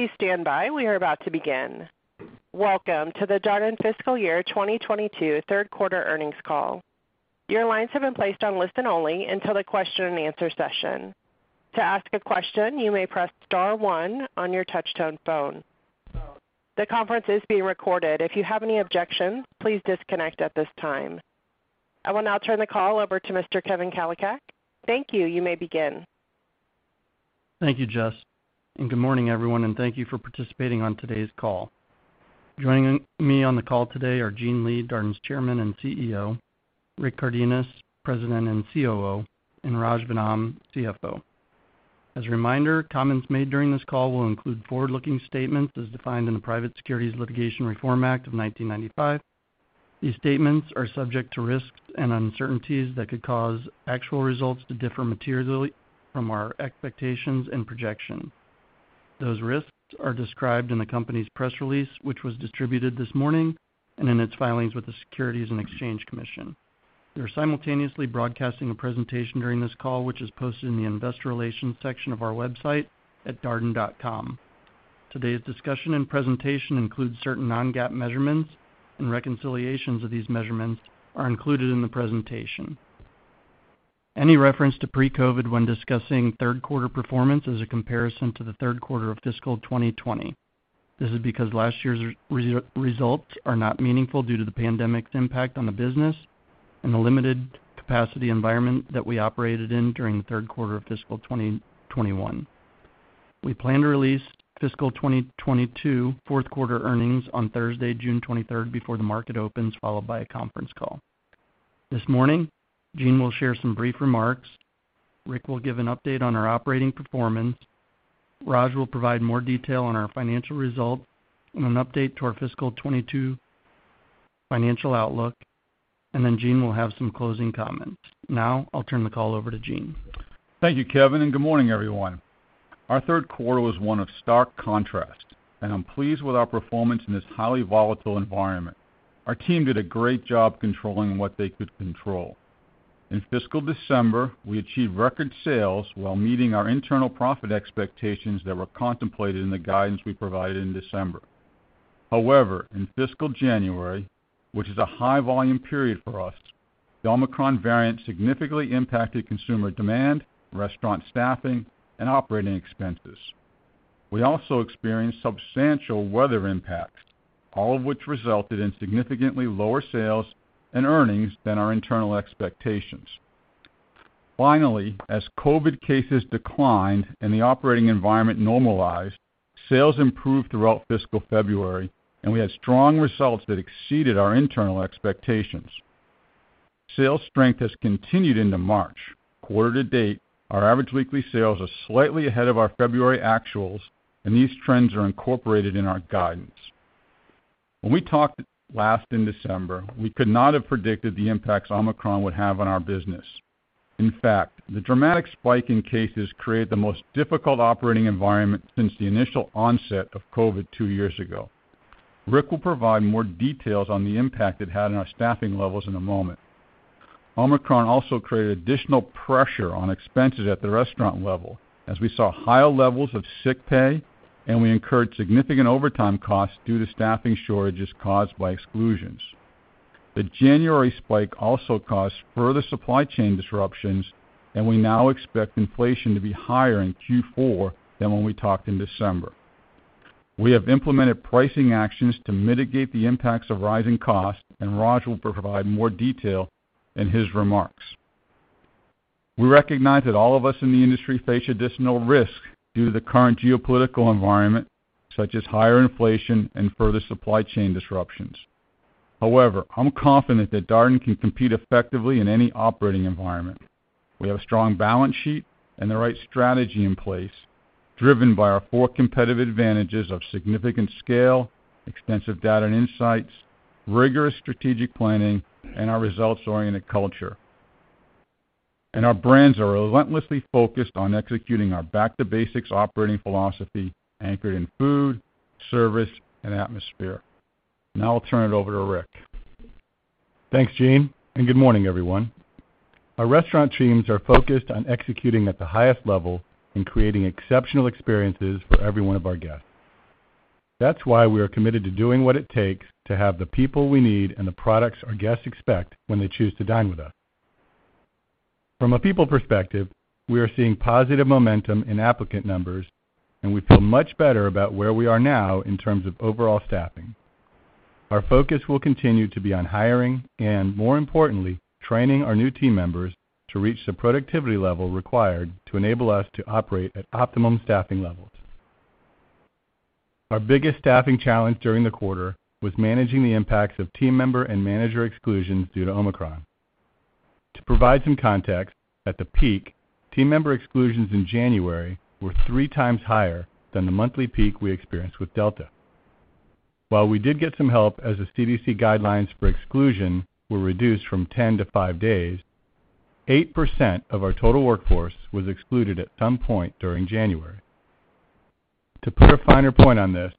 Please stand by. We are about to begin. Welcome to the Darden Fiscal Year 2022 third quarter earnings call. Your lines have been placed on listen only until the question and answer session. To ask a question, you may press star one on your touchtone phone. The conference is being recorded. If you have any objections, please disconnect at this time. I will now turn the call over to Mr. Kevin Kalicak. Thank you. You may begin. Thank you, Jess, and good morning, everyone, and thank you for participating on today's call. Joining me on the call today are Gene Lee, Darden's Chairman and CEO, Rick Cardenas, President and COO, and Raj Vennam, CFO. As a reminder, comments made during this call will include forward-looking statements as defined in the Private Securities Litigation Reform Act of 1995. These statements are subject to risks and uncertainties that could cause actual results to differ materially from our expectations and projections. Those risks are described in the company's press release, which was distributed this morning, and in its filings with the Securities and Exchange Commission. We are simultaneously broadcasting a presentation during this call, which is posted in the investor relations section of our website at darden.com. Today's discussion and presentation includes certain non-GAAP measurements and reconciliations of these measurements are included in the presentation. Any reference to pre-COVID when discussing third quarter performance is a comparison to the third quarter of fiscal 2020. This is because last year's results are not meaningful due to the pandemic's impact on the business and the limited capacity environment that we operated in during the third quarter of fiscal 2021. We plan to release fiscal 2022 fourth quarter earnings on Thursday, June 23, before the market opens, followed by a conference call. This morning, Gene will share some brief remarks. Rick will give an update on our operating performance. Raj will provide more detail on our financial results and an update to our fiscal 2022 financial outlook, and then Gene will have some closing comments. Now I'll turn the call over to Gene. Thank you, Kevin, and good morning, everyone. Our third quarter was one of stark contrast, and I'm pleased with our performance in this highly volatile environment. Our team did a great job controlling what they could control. In fiscal December, we achieved record sales while meeting our internal profit expectations that were contemplated in the guidance we provided in December. However, in fiscal January, which is a high volume period for us, the Omicron variant significantly impacted consumer demand, restaurant staffing, and operating expenses. We also experienced substantial weather impacts, all of which resulted in significantly lower sales and earnings than our internal expectations. Finally, as COVID cases declined and the operating environment normalized, sales improved throughout fiscal February, and we had strong results that exceeded our internal expectations. Sales strength has continued into March. Quarter to date, our average weekly sales are slightly ahead of our February actuals, and these trends are incorporated in our guidance. When we talked last in December, we could not have predicted the impacts Omicron would have on our business. In fact, the dramatic spike in cases created the most difficult operating environment since the initial onset of COVID two years ago. Rick will provide more details on the impact it had on our staffing levels in a moment. Omicron also created additional pressure on expenses at the restaurant level as we saw higher levels of sick pay, and we incurred significant overtime costs due to staffing shortages caused by exclusions. The January spike also caused further supply chain disruptions, and we now expect inflation to be higher in Q4 than when we talked in December. We have implemented pricing actions to mitigate the impacts of rising costs, and Raj will provide more detail in his remarks. We recognize that all of us in the industry face additional risks due to the current geopolitical environment, such as higher inflation and further supply chain disruptions. However, I'm confident that Darden can compete effectively in any operating environment. We have a strong balance sheet and the right strategy in place, driven by our four competitive advantages of significant scale, extensive data and insights, rigorous strategic planning, and our results-oriented culture. Our brands are relentlessly focused on executing our back-to-basics operating philosophy anchored in food, service, and atmosphere. Now I'll turn it over to Rick. Thanks, Gene, and good morning, everyone. Our restaurant teams are focused on executing at the highest level and creating exceptional experiences for every one of our guests. That's why we are committed to doing what it takes to have the people we need and the products our guests expect when they choose to dine with us. From a people perspective, we are seeing positive momentum in applicant numbers, and we feel much better about where we are now in terms of overall staffing. Our focus will continue to be on hiring and, more importantly, training our new team members to reach the productivity level required to enable us to operate at optimum staffing levels. Our biggest staffing challenge during the quarter was managing the impacts of team member and manager exclusions due to Omicron. To provide some context, at the peak, team member exclusions in January were 3x higher than the monthly peak we experienced with Delta. While we did get some help as the CDC guidelines for exclusion were reduced from 10-5 days, 8% of our total workforce was excluded at some point during January. To put a finer point on this.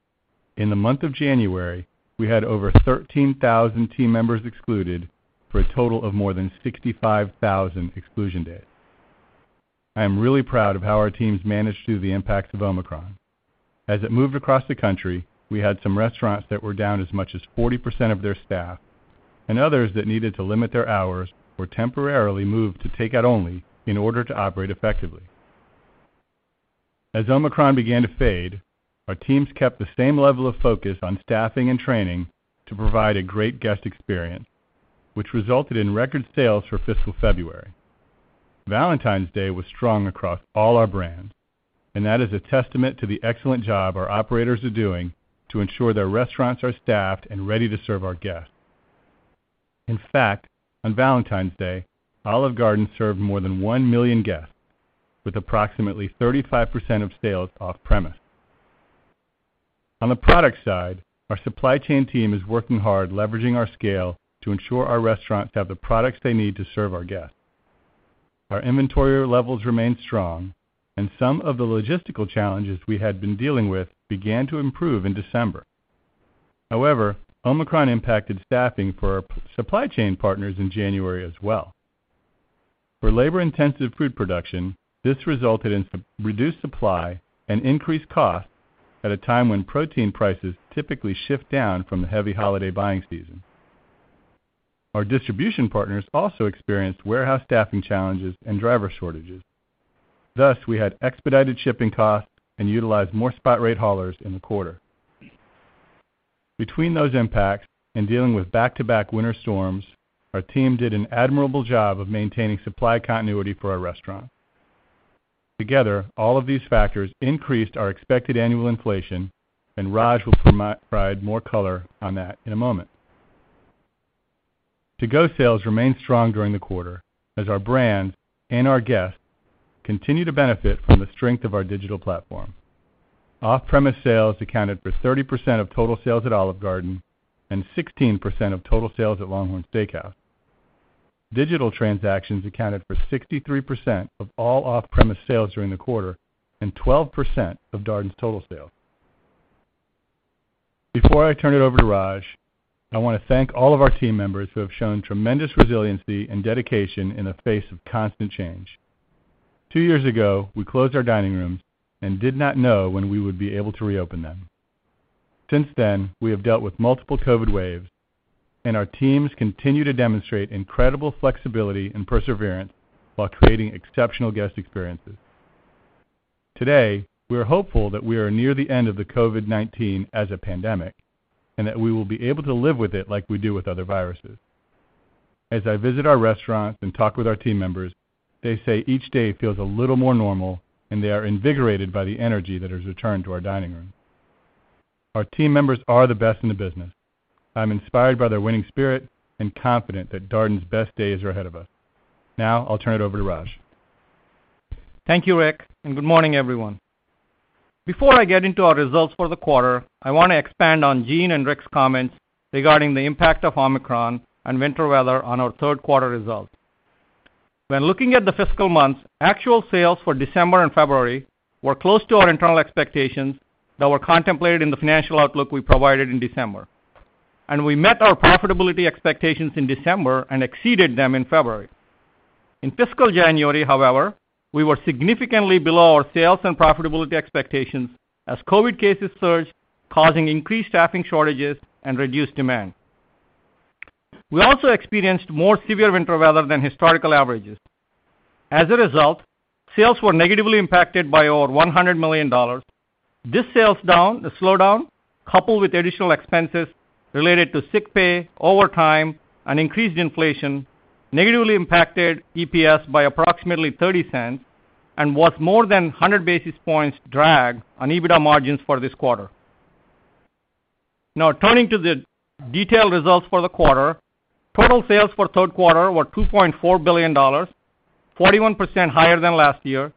In the month of January, we had over 13,000 team members excluded for a total of more than 65,000 exclusion days. I am really proud of how our teams managed through the impacts of Omicron. As it moved across the country, we had some restaurants that were down as much as 40% of their staff and others that needed to limit their hours or temporarily move to take out only in order to operate effectively. As Omicron began to fade, our teams kept the same level of focus on staffing and training to provide a great guest experience, which resulted in record sales for fiscal February. Valentine's Day was strong across all our brands, and that is a testament to the excellent job our operators are doing to ensure their restaurants are staffed and ready to serve our guests. In fact, on Valentine's Day, Olive Garden served more than 1 million guests with approximately 35% of sales off-premise. On the product side, our supply chain team is working hard leveraging our scale to ensure our restaurants have the products they need to serve our guests. Our inventory levels remain strong and some of the logistical challenges we had been dealing with began to improve in December. However, Omicron impacted staffing for our supply chain partners in January as well. For labor-intensive food production, this resulted in super-reduced supply and increased costs at a time when protein prices typically shift down from the heavy holiday buying season. Our distribution partners also experienced warehouse staffing challenges and driver shortages. Thus, we had expedited shipping costs and utilized more spot rate haulers in the quarter. Between those impacts and dealing with back-to-back winter storms, our team did an admirable job of maintaining supply continuity for our restaurants. Together, all of these factors increased our expected annual inflation, and Raj will provide more color on that in a moment. To-go sales remained strong during the quarter as our brands and our guests continue to benefit from the strength of our digital platform. Off-premise sales accounted for 30% of total sales at Olive Garden and 16% of total sales at LongHorn Steakhouse. Digital transactions accounted for 63% of all off-premise sales during the quarter and 12% of Darden's total sales. Before I turn it over to Raj, I wanna thank all of our team members who have shown tremendous resiliency and dedication in the face of constant change. Two years ago, we closed our dining rooms and did not know when we would be able to reopen them. Since then, we have dealt with multiple COVID waves, and our teams continue to demonstrate incredible flexibility and perseverance while creating exceptional guest experiences. Today, we are hopeful that we are near the end of the COVID-19 as a pandemic, and that we will be able to live with it like we do with other viruses. As I visit our restaurants and talk with our team members, they say each day feels a little more normal, and they are invigorated by the energy that has returned to our dining room. Our team members are the best in the business. I'm inspired by their winning spirit and confident that Darden's best days are ahead of us. Now, I'll turn it over to Raj. Thank you, Rick, and good morning, everyone. Before I get into our results for the quarter, I wanna expand on Gene and Rick's comments regarding the impact of Omicron and winter weather on our third quarter results. When looking at the fiscal months, actual sales for December and February were close to our internal expectations that were contemplated in the financial outlook we provided in December. We met our profitability expectations in December and exceeded them in February. In fiscal January, however, we were significantly below our sales and profitability expectations as COVID cases surged, causing increased staffing shortages and reduced demand. We also experienced more severe winter weather than historical averages. As a result, sales were negatively impacted by over $100 million. This sales slowdown, coupled with additional expenses related to sick pay, overtime, and increased inflation, negatively impacted EPS by approximately $0.30 and was more than 100 basis points drag on EBITDA margins for this quarter. Now, turning to the detailed results for the quarter, total sales for third quarter were $2.4 billion, 41% higher than last year,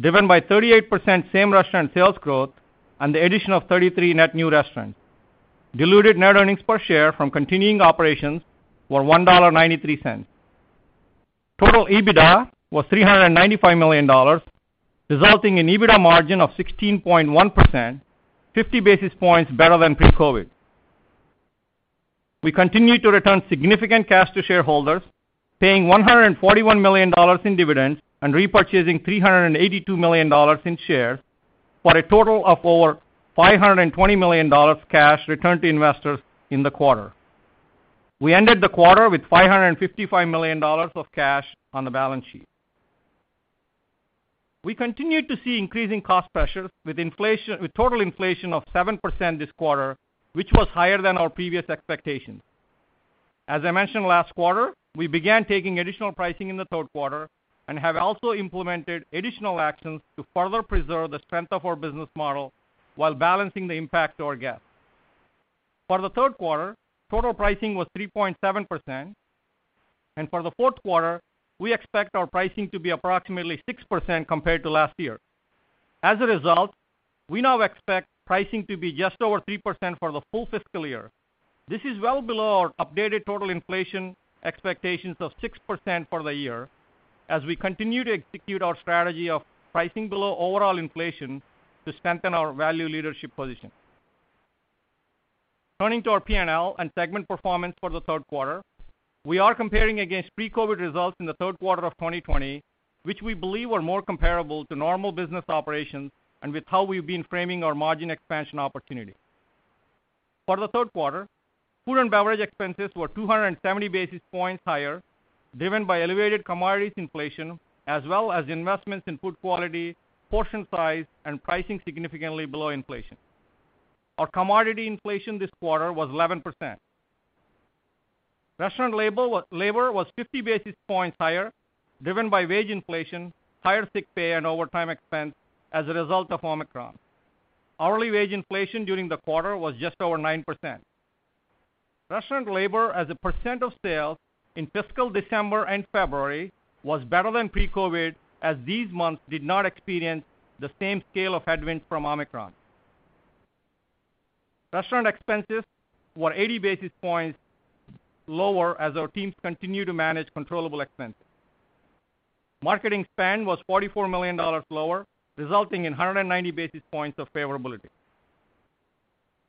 driven by 38% same-restaurant sales growth and the addition of 33 net new restaurants. Diluted net earnings per share from continuing operations were $1.93. Total EBITDA was $395 million, resulting in EBITDA margin of 16.1%, 50 basis points better than pre-COVID. We continue to return significant cash to shareholders, paying $141 million in dividends and repurchasing $382 million in shares, for a total of over $523 million cash returned to investors in the quarter. We ended the quarter with $555 million of cash on the balance sheet. We continued to see increasing cost pressures with inflation, with total inflation of 7% this quarter, which was higher than our previous expectations. As I mentioned last quarter, we began taking additional pricing in the third quarter and have also implemented additional actions to further preserve the strength of our business model while balancing the impact to our guests. For the third quarter, total pricing was 3.7%, and for the fourth quarter, we expect our pricing to be approximately 6% compared to last year. As a result, we now expect pricing to be just over 3% for the full fiscal year. This is well below our updated total inflation expectations of 6% for the year. We continue to execute our strategy of pricing below overall inflation to strengthen our value leadership position. Turning to our P&L and segment performance for the third quarter, we are comparing against pre-COVID results in the third quarter of 2020, which we believe were more comparable to normal business operations and with how we've been framing our margin expansion opportunity. For the third quarter, food and beverage expenses were 270 basis points higher, driven by elevated commodities inflation as well as investments in food quality, portion size, and pricing significantly below inflation. Our commodity inflation this quarter was 11%. Restaurant labor was 50 basis points higher, driven by wage inflation, higher sick pay, and overtime expense as a result of Omicron. Hourly wage inflation during the quarter was just over 9%. Restaurant labor as a percent of sales in fiscal December and February was better than pre-COVID, as these months did not experience the same scale of headwinds from Omicron. Restaurant expenses were 80 basis points lower as our teams continue to manage controllable expenses. Marketing spend was $44 million lower, resulting in 190 basis points of favorability.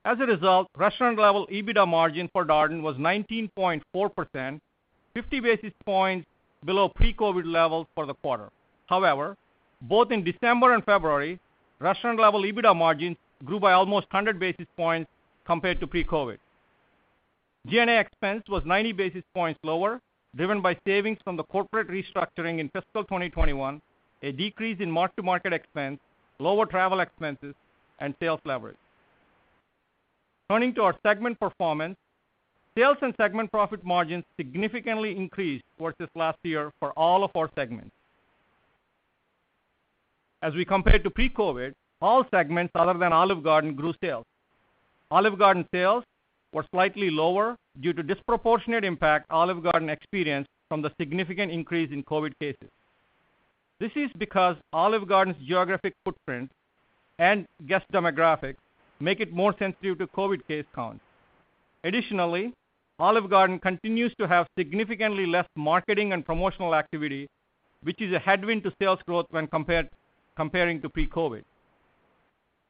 As a result, restaurant-level EBITDA margin for Darden was 19.4%, 50 basis points below pre-COVID levels for the quarter. However, both in December and February, restaurant-level EBITDA margins grew by almost 100 basis points compared to pre-COVID. G&A expense was 90 basis points lower, driven by savings from the corporate restructuring in fiscal 2021, a decrease in mark-to-market expense, lower travel expenses, and sales leverage. Turning to our segment performance, sales and segment profit margins significantly increased versus last year for all of our segments. As we compare to pre-COVID, all segments other than Olive Garden grew sales. Olive Garden sales were slightly lower due to disproportionate impact Olive Garden experienced from the significant increase in COVID cases. This is because Olive Garden's geographic footprint and guest demographics make it more sensitive to COVID case counts. Olive Garden continues to have significantly less marketing and promotional activity, which is a headwind to sales growth when comparing to pre-COVID.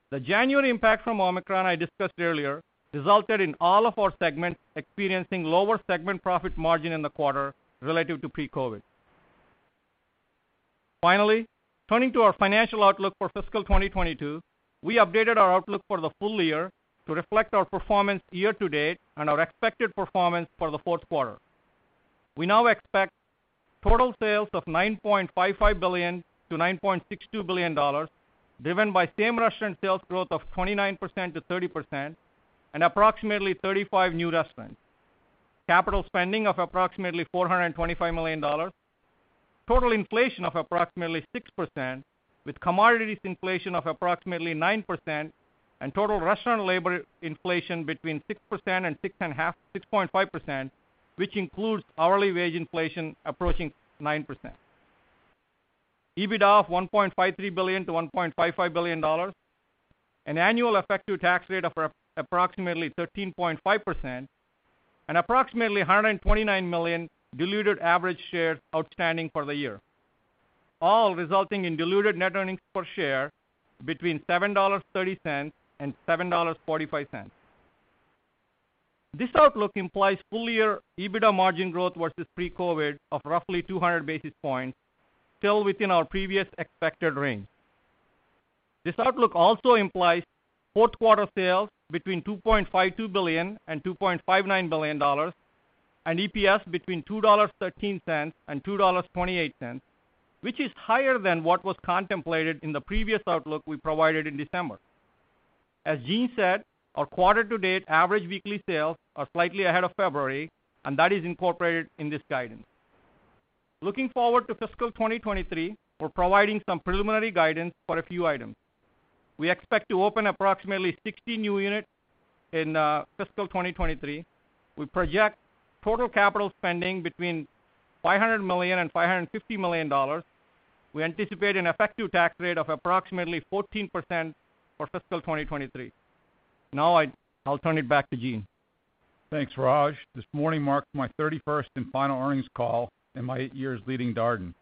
The January impact from Omicron I discussed earlier resulted in all of our segments experiencing lower segment profit margin in the quarter relative to pre-COVID. Finally, turning to our financial outlook for fiscal 2022, we updated our outlook for the full year to reflect our performance year to date and our expected performance for the fourth quarter. We now expect total sales of $9.55 billion-$9.62 billion, driven by same-restaurant sales growth of 29%-30% and approximately 35 new restaurants. Capital spending of approximately $425 million. Total inflation of approximately 6%, with commodities inflation of approximately 9% and total restaurant labor inflation between 6% and 6.5%, which includes hourly wage inflation approaching 9%. EBITDA of $1.53 billion-$1.55 billion. An annual effective tax rate of approximately 13.5%. Approximately 129 million diluted average shares outstanding for the year, all resulting in diluted net earnings per share between $7.30 and $7.45. This outlook implies full year EBITDA margin growth versus pre-COVID of roughly 200 basis points, still within our previous expected range. This outlook also implies fourth quarter sales between $2.52 billion and $2.59 billion, and EPS between $2.13 and $2.28, which is higher than what was contemplated in the previous outlook we provided in December. As Gene said, our quarter to date average weekly sales are slightly ahead of February, and that is incorporated in this guidance. Looking forward to fiscal 2023, we're providing some preliminary guidance for a few items. We expect to open approximately 60 new units in fiscal 2023. We project total capital spending between $500 million and $550 million. We anticipate an effective tax rate of approximately 14% for fiscal 2023. Now I'll turn it back to Gene. Thanks, Raj. This morning marks my 31st and final earnings call in my eight years leading Darden.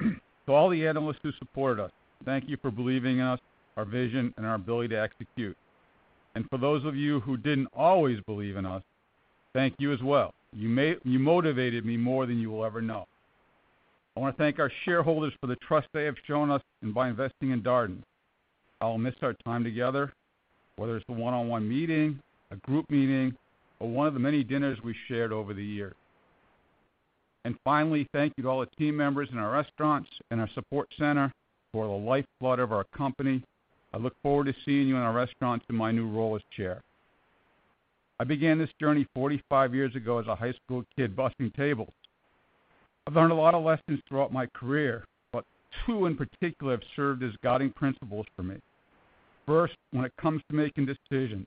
To all the analysts who supported us, thank you for believing in us, our vision, and our ability to execute. For those of you who didn't always believe in us, thank you as well. You motivated me more than you will ever know. I wanna thank our shareholders for the trust they have shown us and by investing in Darden. I'll miss our time together, whether it's the one-on-one meeting, a group meeting, or one of the many dinners we shared over the year. Finally, thank you to all the team members in our restaurants and our support center who are the lifeblood of our company. I look forward to seeing you in our restaurants in my new role as chair. I began this journey 45 years ago as a high school kid bussing tables. I've learned a lot of lessons throughout my career, but two in particular have served as guiding principles for me. First, when it comes to making decisions,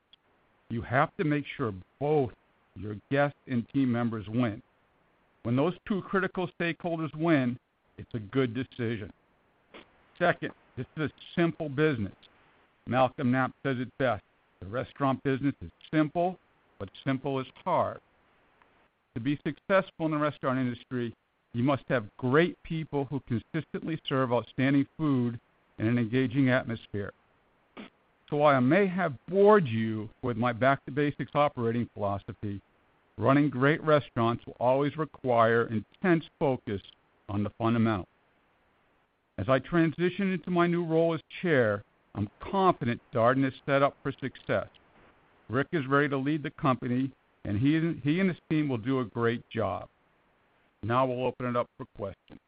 you have to make sure both your guests and team members win. When those two critical stakeholders win, it's a good decision. Second, this is a simple business. Malcolm Knapp says it best, "The restaurant business is simple, but simple is hard." To be successful in the restaurant industry, you must have great people who consistently serve outstanding food in an engaging atmosphere. While I may have bored you with my back-to-basics operating philosophy, running great restaurants will always require intense focus on the fundamentals. As I transition into my new role as Chair, I'm confident Darden is set up for success. Rick is ready to lead the company, and he and his team will do a great job. Now we'll open it up for questions.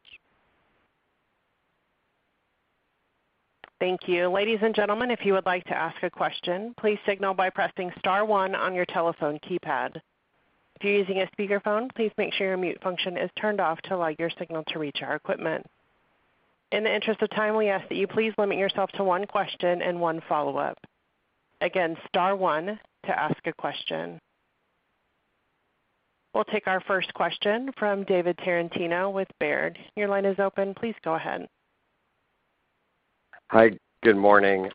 Thank you. Ladies and gentlemen, if you would like to ask a question, please signal by pressing star one on your telephone keypad. If you're using a speakerphone, please make sure your mute function is turned off to allow your signal to reach our equipment. In the interest of time, we ask that you please limit yourself to one question and one follow-up. Again, star one to ask a question. We'll take our first question from David Tarantino with Baird. Your line is open. Please go ahead. Hi. Good morning.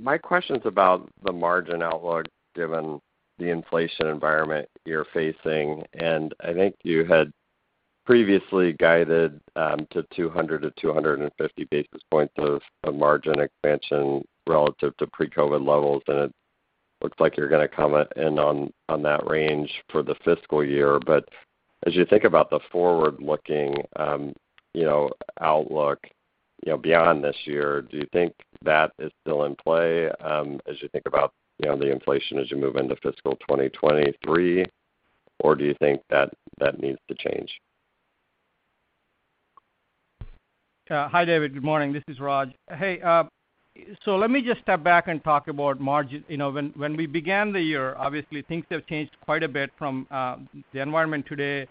My question's about the margin outlook given the inflation environment you're facing, and I think you had previously guided to 200-250 basis points of margin expansion relative to pre-COVID levels, and it looks like you're gonna come in on that range for the fiscal year. As you think about the forward-looking, you know, outlook, you know, beyond this year, do you think that is still in play, as you think about, you know, the inflation as you move into fiscal 2023, or do you think that needs to change? Hi, David. Good morning. This is Raj. Hey, so let me just step back and talk about margin. You know, when we began the year, obviously things have changed quite a bit from the environment today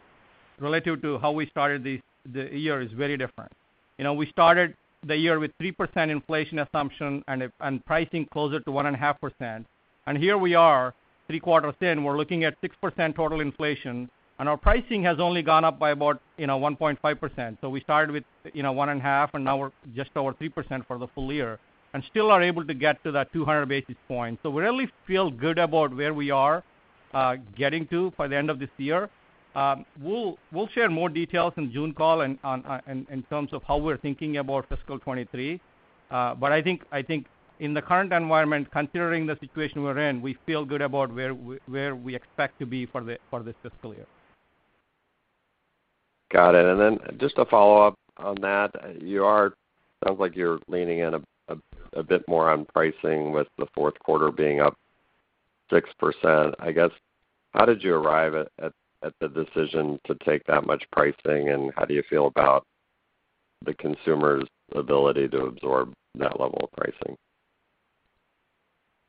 relative to how we started the year is very different. You know, we started the year with 3% inflation assumption and pricing closer to 1.5%. Here we are, three quarters in, we're looking at 6% total inflation, and our pricing has only gone up by about, you know, 1.5%. We started with, you know, 1.5%, and now we're just over 3% for the full year and still are able to get to that 200 basis points. We really feel good about where we are getting to by the end of this year. We'll share more details in the June call-in in terms of how we're thinking about fiscal 2023. I think in the current environment, considering the situation we're in, we feel good about where we expect to be for this fiscal year. Got it. Just a follow-up on that. Sounds like you're leaning in a bit more on pricing with the fourth quarter being up 6%. I guess, how did you arrive at the decision to take that much pricing, and how do you feel about the consumer's ability to absorb that level of pricing?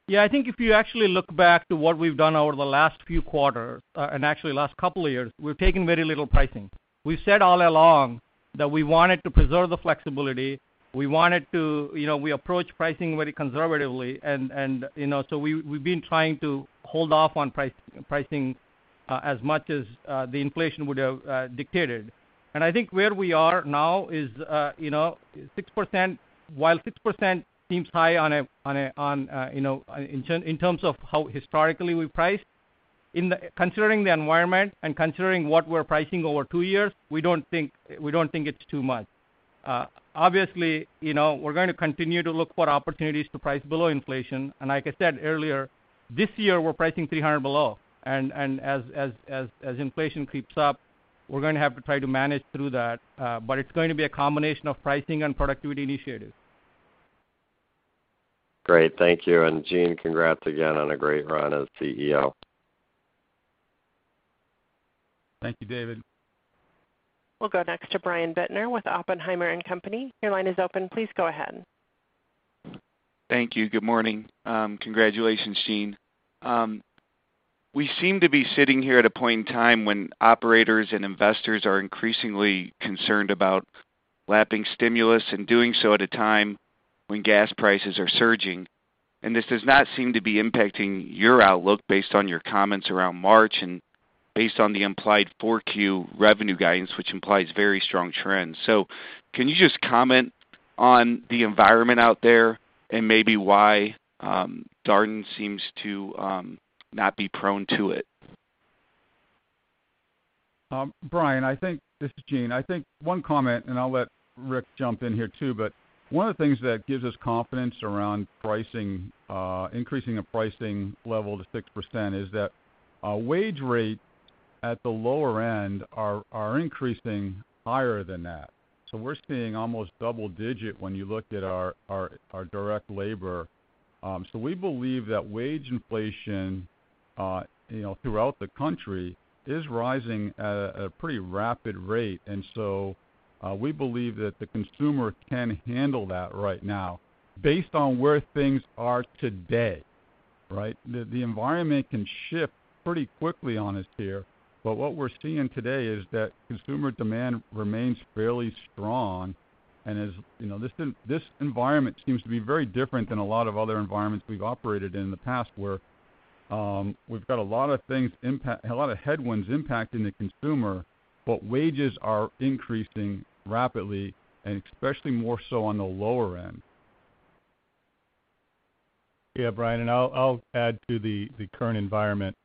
Yeah. I think if you actually look back to what we've done over the last few quarters, and actually last couple of years, we've taken very little pricing. We've said all along that we wanted to preserve the flexibility. We wanted to, you know, we approach pricing very conservatively and, you know, we've been trying to hold off on pricing as much as the inflation would have dictated. I think where we are now is, you know, 6%. While 6% seems high on a, you know, in terms of how historically we priced, considering the environment and considering what we're pricing over two years, we don't think it's too much. Obviously, you know, we're gonna continue to look for opportunities to price below inflation, and like I said earlier, this year we're pricing 300 below. As inflation creeps up, we're gonna have to try to manage through that, but it's going to be a combination of pricing and productivity initiatives. Great. Thank you. Gene, congrats again on a great run as CEO. Thank you, David. We'll go next to Brian Bittner with Oppenheimer & Co. Your line is open. Please go ahead. Thank you. Good morning. Congratulations, Gene. We seem to be sitting here at a point in time when operators and investors are increasingly concerned about lapping stimulus and doing so at a time when gas prices are surging, and this does not seem to be impacting your outlook based on your comments around March and based on the implied 4Q revenue guidance, which implies very strong trends. Can you just comment on the environment out there and maybe why Darden seems to not be prone to it? Brian, this is Gene. I think one comment, and I'll let Rick jump in here too, but one of the things that gives us confidence around pricing, increasing the pricing level to 6% is that wage rate at the lower end are increasing higher than that. We're seeing almost double-digit when you look at our direct labor. We believe that wage inflation, you know, throughout the country is rising at a pretty rapid rate. We believe that the consumer can handle that right now based on where things are today, right? The environment can shift pretty quickly on us here, but what we're seeing today is that consumer demand remains fairly strong and, you know, this environment seems to be very different than a lot of other environments we've operated in in the past where We've got a lot of headwinds impacting the consumer, but wages are increasing rapidly and especially more so on the lower end. Yeah, Brian, I'll add to the current environment.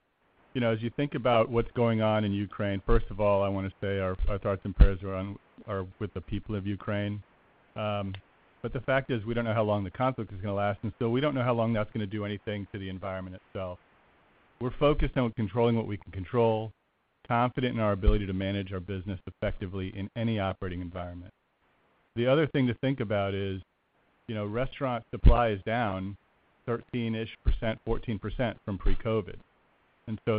You know, as you think about what's going on in Ukraine, first of all, I wanna say our thoughts and prayers are with the people of Ukraine. But the fact is we don't know how long the conflict is gonna last, and we don't know how long that's gonna do anything to the environment itself. We're focused on controlling what we can control, confident in our ability to manage our business effectively in any operating environment. The other thing to think about is, you know, restaurant supply is down 13%-14% from pre-COVID.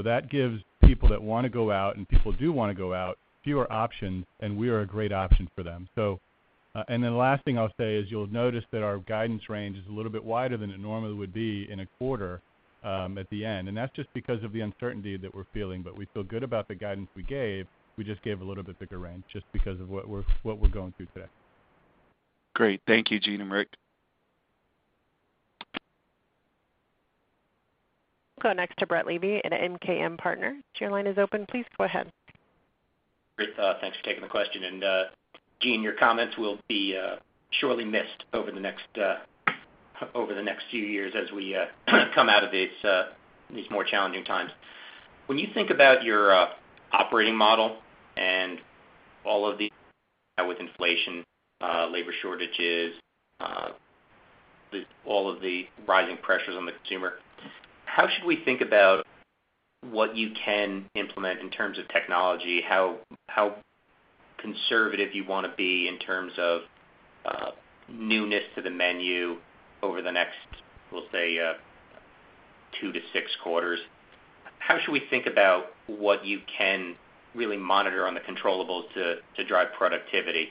That gives people that wanna go out, and people do wanna go out, fewer options, and we are a great option for them. Last thing I'll say is you'll notice that our guidance range is a little bit wider than it normally would be in a quarter, at the end, and that's just because of the uncertainty that we're feeling, but we feel good about the guidance we gave. We just gave a little bit bigger range just because of what we're going through today. Great. Thank you, Gene and Rick. Go next to Brett Levy at MKM Partners. Your line is open. Please go ahead. Great. Thanks for taking the question. Gene, your comments will be surely missed over the next few years as we come out of these more challenging times. When you think about your operating model with inflation, labor shortages, all of the rising pressures on the consumer, how should we think about what you can implement in terms of technology? How conservative you wanna be in terms of newness to the menu over the next, we'll say, two to six quarters? How should we think about what you can really monitor on the controllables to drive productivity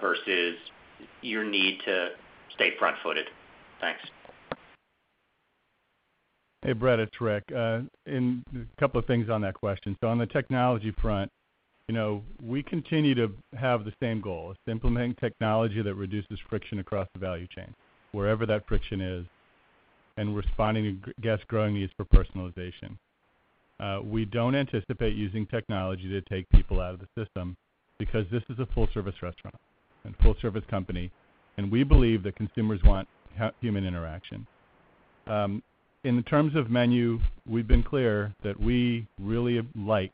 versus your need to stay front-footed? Thanks. Hey, Brett, it's Rick. A couple of things on that question. On the technology front, you know, we continue to have the same goal. It's implementing technology that reduces friction across the value chain, wherever that friction is, and responding to guests' growing needs for personalization. We don't anticipate using technology to take people out of the system because this is a full service restaurant and full service company, and we believe that consumers want human interaction. In terms of menu, we've been clear that we really like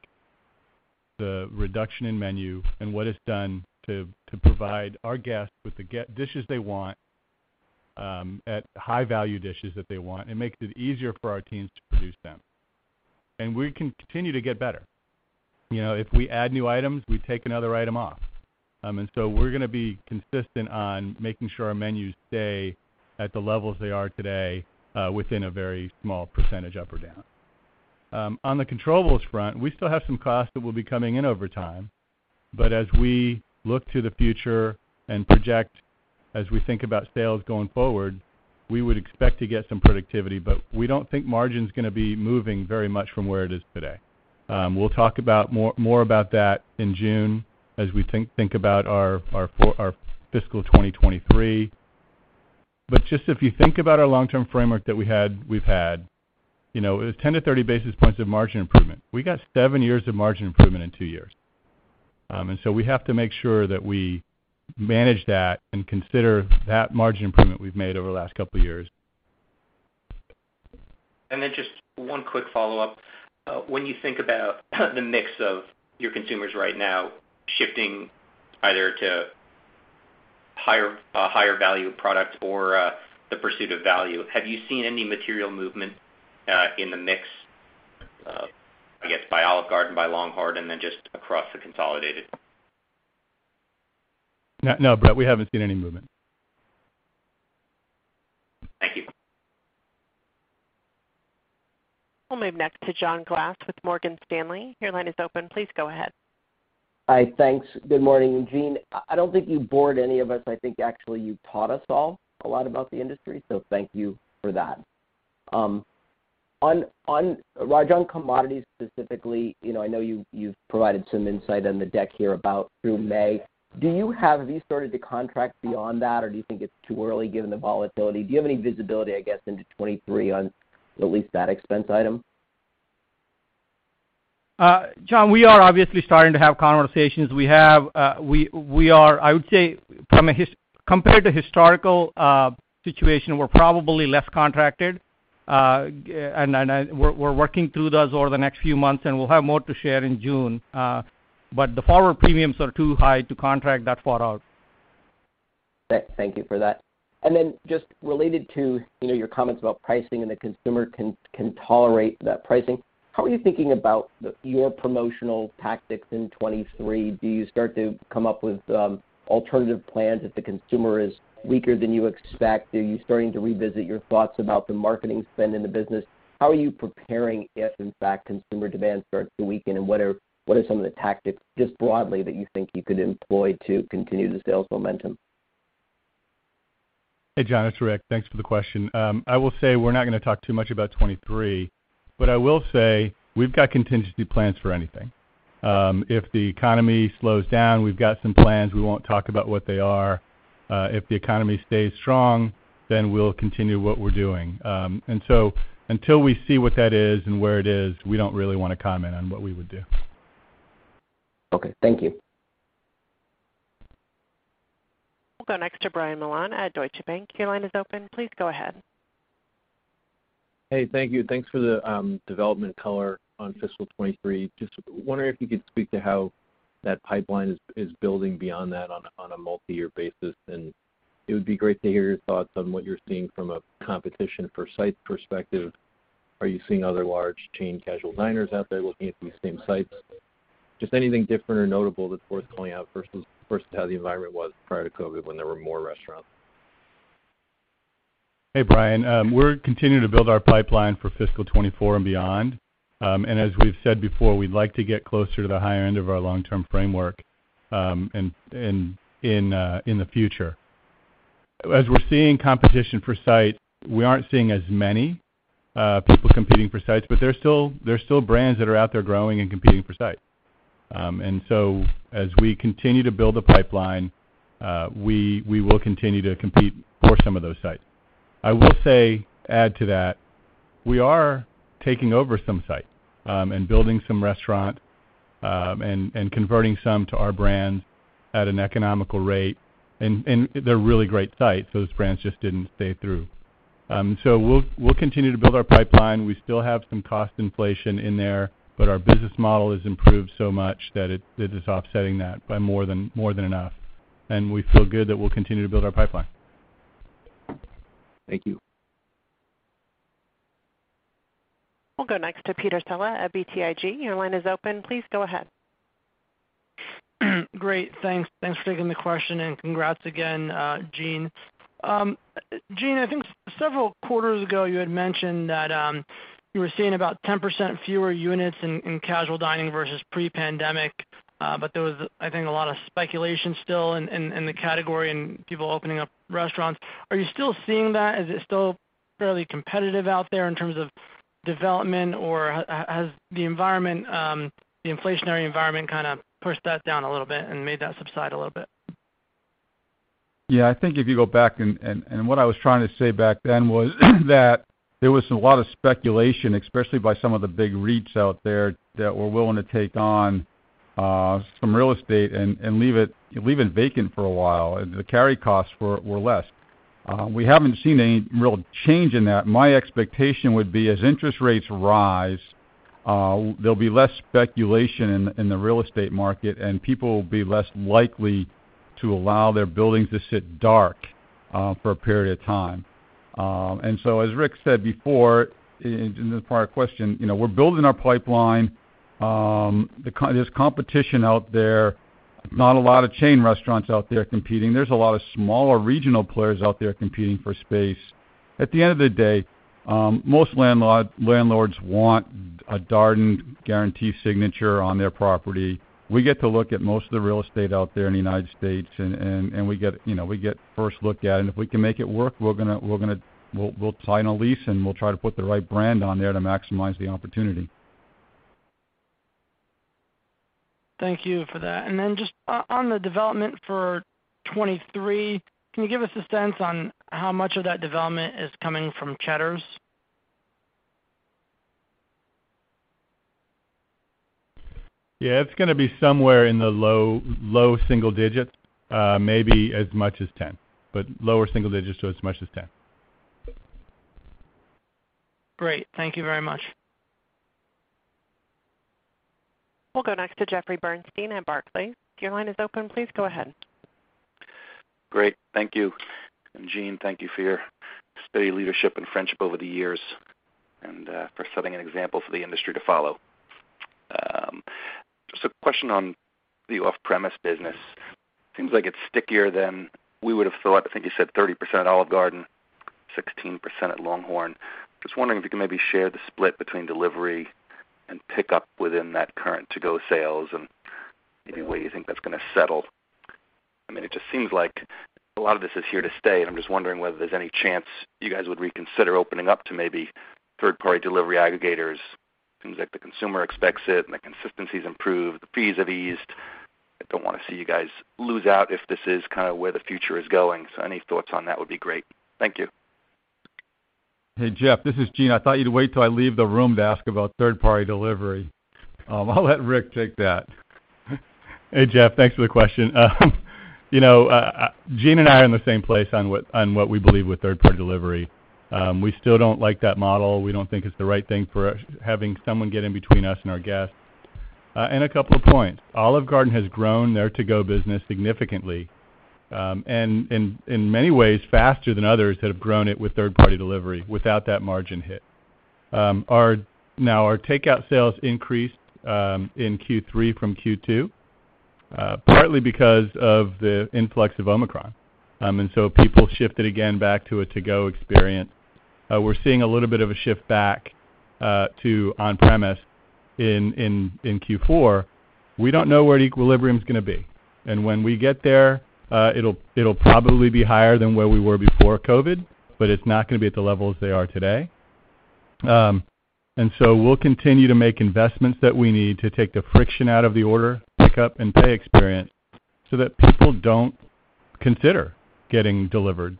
the reduction in menu and what it's done to provide our guests with the dishes they want, at high value dishes that they want, and makes it easier for our teams to produce them. We can continue to get better. You know, if we add new items, we take another item off. We're gonna be consistent on making sure our menus stay at the levels they are today within a very small percentage up or down. On the controllables front, we still have some costs that will be coming in over time. As we look to the future and project as we think about sales going forward, we would expect to get some productivity, but we don't think margin's gonna be moving very much from where it is today. We'll talk more about that in June as we think about our fiscal 2023. Just if you think about our long-term framework that we had, you know, it was 10-30 basis points of margin improvement. We got seven years of margin improvement in two years. We have to make sure that we manage that and consider that margin improvement we've made over the last couple years. Just one quick follow-up. When you think about the mix of your consumers right now shifting either to higher value product or the pursuit of value, have you seen any material movement in the mix, I guess by Olive Garden, by LongHorn, and then just across the consolidated? No, no, Brett, we haven't seen any movement. Thank you. We'll move next to John Glass with Morgan Stanley. Your line is open. Please go ahead. Hi. Thanks. Good morning. Gene, I don't think you bored any of us. I think actually you taught us all a lot about the industry, so thank you for that. On Raj commodities specifically, you know, I know you've provided some insight on the deck here about through May. Have you started to contract beyond that, or do you think it's too early given the volatility? Do you have any visibility, I guess, into 2023 on at least that expense item? John, we are obviously starting to have conversations. We are, I would say, compared to historical situation, we're probably less contracted. We're working through those over the next few months, and we'll have more to share in June. The forward premiums are too high to contract that far out. Thank you for that. Just related to, you know, your comments about pricing and the consumer can tolerate that pricing, how are you thinking about your promotional tactics in 2023? Do you start to come up with alternative plans if the consumer is weaker than you expect? Are you starting to revisit your thoughts about the marketing spend in the business? How are you preparing if, in fact, consumer demand starts to weaken, and what are some of the tactics, just broadly, that you think you could employ to continue the sales momentum? Hey, John, it's Rick. Thanks for the question. I will say we're not gonna talk too much about 2023, but I will say we've got contingency plans for anything. If the economy slows down, we've got some plans. We won't talk about what they are. If the economy stays strong, we'll continue what we're doing. Until we see what that is and where it is, we don't really wanna comment on what we would do. Okay, thank you. We'll go next to Brian Mullan at Deutsche Bank. Your line is open. Please go ahead. Hey, thank you. Thanks for the development color on fiscal 2023. Just wondering if you could speak to how that pipeline is building beyond that on a multi-year basis. It would be great to hear your thoughts on what you're seeing from a competition for site perspective. Are you seeing other large chain casual diners out there looking at these same sites? Just anything different or notable that's worth calling out versus how the environment was prior to COVID when there were more restaurants. Hey, Brian. We're continuing to build our pipeline for fiscal 2024 and beyond. As we've said before, we'd like to get closer to the higher end of our long-term framework in the future. As we're seeing competition for sites, we aren't seeing as many people competing for sites, but there are still brands that are out there growing and competing for sites. As we continue to build the pipeline, we will continue to compete for some of those sites. I will say, add to that, we are taking over some sites and building some restaurants and converting some to our brand at an economical rate. They're really great sites. Those brands just didn't stay through. We'll continue to build our pipeline. We still have some cost inflation in there, but our business model has improved so much that it is offsetting that by more than enough. We feel good that we'll continue to build our pipeline. Thank you. We'll go next to Peter Saleh at BTIG. Your line is open. Please go ahead. Great. Thanks. Thanks for taking the question, and congrats again, Gene. Gene, I think several quarters ago you had mentioned that you were seeing about 10% fewer units in casual dining versus pre-pandemic, but there was I think a lot of speculation still in the category and people opening up restaurants. Are you still seeing that? Is it still fairly competitive out there in terms of development? Or has the environment, the inflationary environment kinda pushed that down a little bit and made that subside a little bit? Yeah. I think if you go back and what I was trying to say back then was that there was a lot of speculation, especially by some of the big REITs out there that were willing to take on some real estate and leave it vacant for a while. The carry costs were less. We haven't seen any real change in that. My expectation would be as interest rates rise, there'll be less speculation in the real estate market, and people will be less likely to allow their buildings to sit dark for a period of time. As Rick said before in the prior question, you know, we're building our pipeline. There's competition out there. Not a lot of chain restaurants out there competing. There's a lot of smaller regional players out there competing for space. At the end of the day, most landlords want a Darden guarantee signature on their property. We get to look at most of the real estate out there in the United States and we get, you know, first look at. If we can make it work, we'll sign a lease, and we'll try to put the right brand on there to maximize the opportunity. Thank you for that. Just on the development for 2023, can you give us a sense on how much of that development is coming from Cheddar's? Yeah. It's gonna be somewhere in the low single digits, maybe as much as 10, but lower single digits to as much as 10. Great. Thank you very much. We'll go next to Jeffrey Bernstein at Barclays. Your line is open. Please go ahead. Great. Thank you. Gene, thank you for your steady leadership and friendship over the years, and for setting an example for the industry to follow. Just a question on the off-premise business. Seems like it's stickier than we would have thought. I think you said 30% Olive Garden, 16% at LongHorn. Just wondering if you can maybe share the split between delivery and pickup within that current to-go sales and maybe where you think that's gonna settle. I mean, it just seems like a lot of this is here to stay, and I'm just wondering whether there's any chance you guys would reconsider opening up to maybe third-party delivery aggregators. Seems like the consumer expects it and the consistency's improved, the fees have eased. I don't wanna see you guys lose out if this is kinda where the future is going. Any thoughts on that would be great. Thank you. Hey, Jeff, this is Gene. I thought you'd wait till I leave the room to ask about third-party delivery. I'll let Rick take that. Hey, Jeff, thanks for the question. You know, Gene and I are in the same place on what we believe with third-party delivery. We still don't like that model. We don't think it's the right thing for us, having someone get in between us and our guests. A couple of points. Olive Garden has grown their to-go business significantly, and in many ways, faster than others that have grown it with third-party delivery without that margin hit. Now our takeout sales increased in Q3 from Q2, partly because of the influx of Omicron. People shifted again back to a to-go experience. We're seeing a little bit of a shift back to on-premise in Q4. We don't know where the equilibrium is gonna be. When we get there, it'll probably be higher than where we were before COVID, but it's not gonna be at the levels they are today. We'll continue to make investments that we need to take the friction out of the order, pick up and pay experience so that people don't consider getting delivered.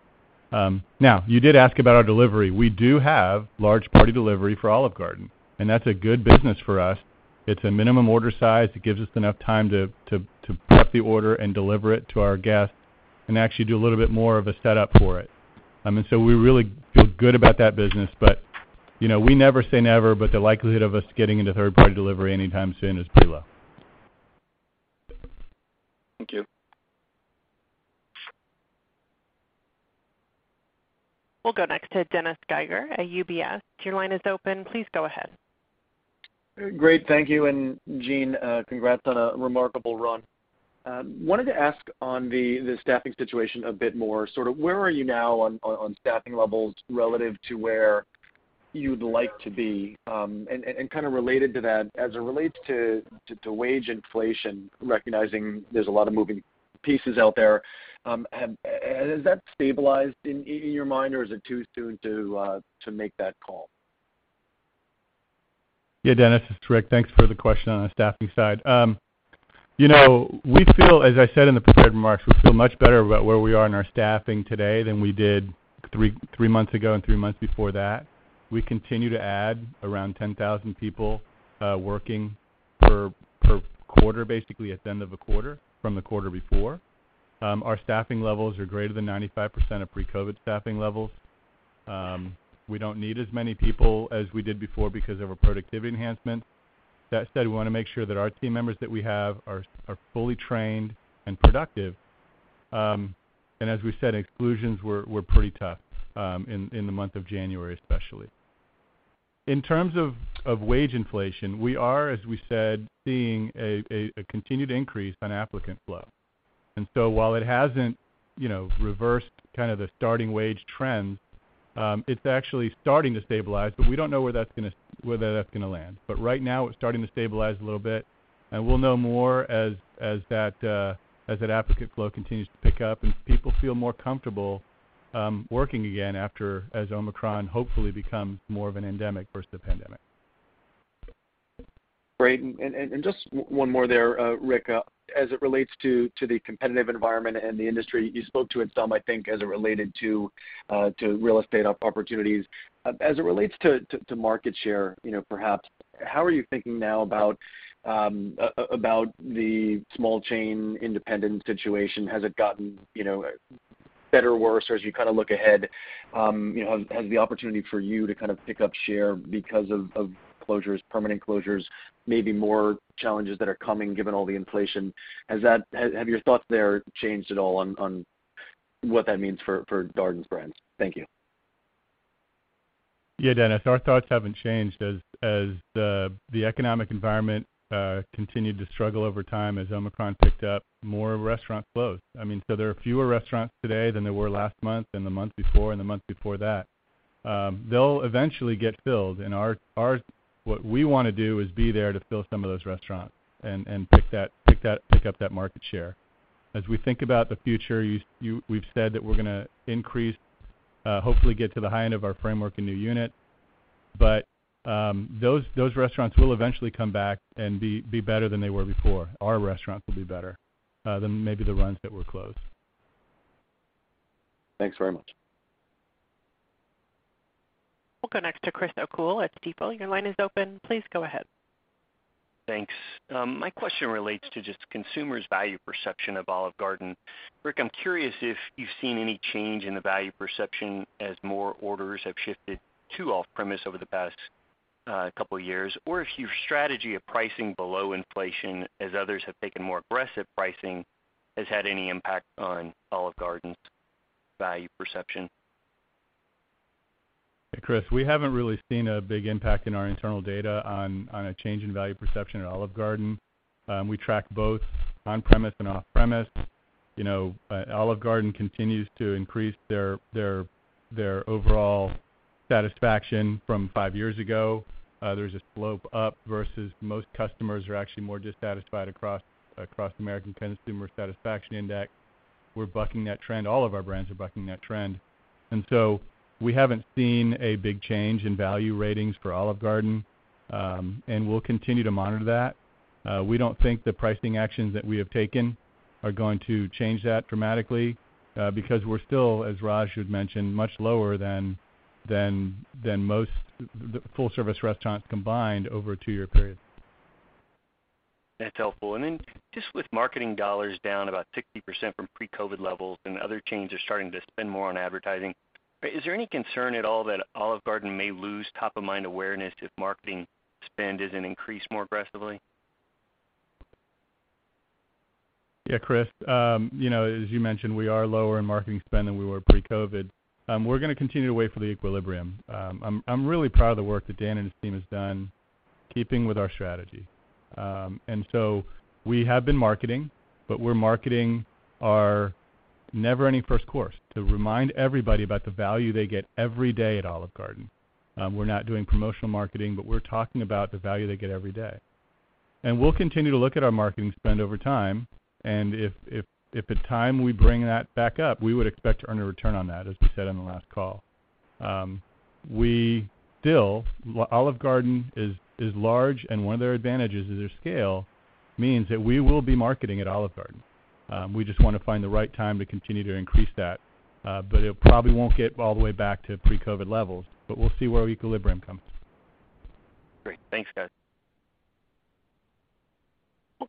Now you did ask about our delivery. We do have large party delivery for Olive Garden, and that's a good business for us. It's a minimum order size. It gives us enough time to prep the order and deliver it to our guests and actually do a little bit more of a setup for it. We really feel good about that business. You know, we never say never, but the likelihood of us getting into third-party delivery anytime soon is pretty low. Thank you. We'll go next to Dennis Geiger at UBS. Your line is open. Please go ahead. Great. Thank you. Gene, congrats on a remarkable run. Wanted to ask on the staffing situation a bit more, sort of where are you now on staffing levels relative to where you'd like to be? And kind of related to that, as it relates to wage inflation, recognizing there's a lot of moving pieces out there, and has that stabilized in your mind or is it too soon to make that call? Yeah, Dennis, it's Rick. Thanks for the question on the staffing side. You know, we feel, as I said in the prepared remarks, we feel much better about where we are in our staffing today than we did three months ago and three months before that. We continue to add around 10,000 people working per quarter, basically at the end of a quarter from the quarter before. Our staffing levels are greater than 95% of pre-COVID staffing levels. We don't need as many people as we did before because of our productivity enhancements. That said, we want to make sure that our team members that we have are fully trained and productive. As we said, exclusions were pretty tough in the month of January, especially. In terms of wage inflation, we are, as we said, seeing a continued increase in applicant flow. While it hasn't, you know, reversed kind of the starting wage trend, it's actually starting to stabilize, but we don't know where that's gonna land. Right now, it's starting to stabilize a little bit, and we'll know more as that applicant flow continues to pick up and people feel more comfortable working again after, as Omicron hopefully becomes more of an endemic versus the pandemic. Great. Just one more there, Rick. As it relates to the competitive environment and the industry, you spoke to it some, I think, as it related to real estate opportunities. As it relates to market share, you know, perhaps how are you thinking now about the small chain independent situation? Has it gotten, you know, better or worse or as you kind of look ahead, you know, has the opportunity for you to kind of pick up share because of closures, permanent closures, maybe more challenges that are coming given all the inflation. Have your thoughts there changed at all on what that means for Darden's brands? Thank you. Yeah, Dennis, our thoughts haven't changed. As the economic environment continued to struggle over time, as Omicron picked up, more restaurants closed. I mean, there are fewer restaurants today than there were last month and the month before and the month before that. They'll eventually get filled. What we wanna do is be there to fill some of those restaurants and pick up that market share. As we think about the future, we've said that we're gonna increase, hopefully get to the high end of our framework in new unit. Those restaurants will eventually come back and be better than they were before. Our restaurants will be better than maybe the ones that were closed. Thanks very much. We'll go next to Chris O'Cull at Stifel. Your line is open. Please go ahead. Thanks. My question relates to just consumers' value perception of Olive Garden. Rick, I'm curious if you've seen any change in the value perception as more orders have shifted to off-premise over the past couple years, or if your strategy of pricing below inflation, as others have taken more aggressive pricing, has had any impact on Olive Garden's value perception? Chris, we haven't really seen a big impact in our internal data on a change in value perception at Olive Garden. We track both on-premise and off-premise. You know, Olive Garden continues to increase their overall satisfaction from five years ago. There's a slope up versus most customers are actually more dissatisfied across American Customer Satisfaction Index. We're bucking that trend. All of our brands are bucking that trend. We haven't seen a big change in value ratings for Olive Garden, and we'll continue to monitor that. We don't think the pricing actions that we have taken are going to change that dramatically, because we're still, as Raj had mentioned, much lower than most full service restaurants combined over a two-year period. That's helpful. Just with marketing dollars down about 60% from pre-COVID levels and other chains are starting to spend more on advertising, is there any concern at all that Olive Garden may lose top of mind awareness if marketing spend isn't increased more aggressively? Yeah, Chris. You know, as you mentioned, we are lower in marketing spend than we were pre-COVID. We're gonna continue to wait for the equilibrium. I'm really proud of the work that Dan and his team has done keeping with our strategy. We have been marketing, but we're marketing our Never Ending First Course to remind everybody about the value they get every day at Olive Garden. We're not doing promotional marketing, but we're talking about the value they get every day. We'll continue to look at our marketing spend over time, and if at a time we bring that back up, we would expect to earn a return on that, as we said on the last call. Olive Garden is large, and one of their advantages is their scale means that we will be marketing at Olive Garden. We just wanna find the right time to continue to increase that, but it probably won't get all the way back to pre-COVID levels, but we'll see where equilibrium comes. Great. Thanks, guys.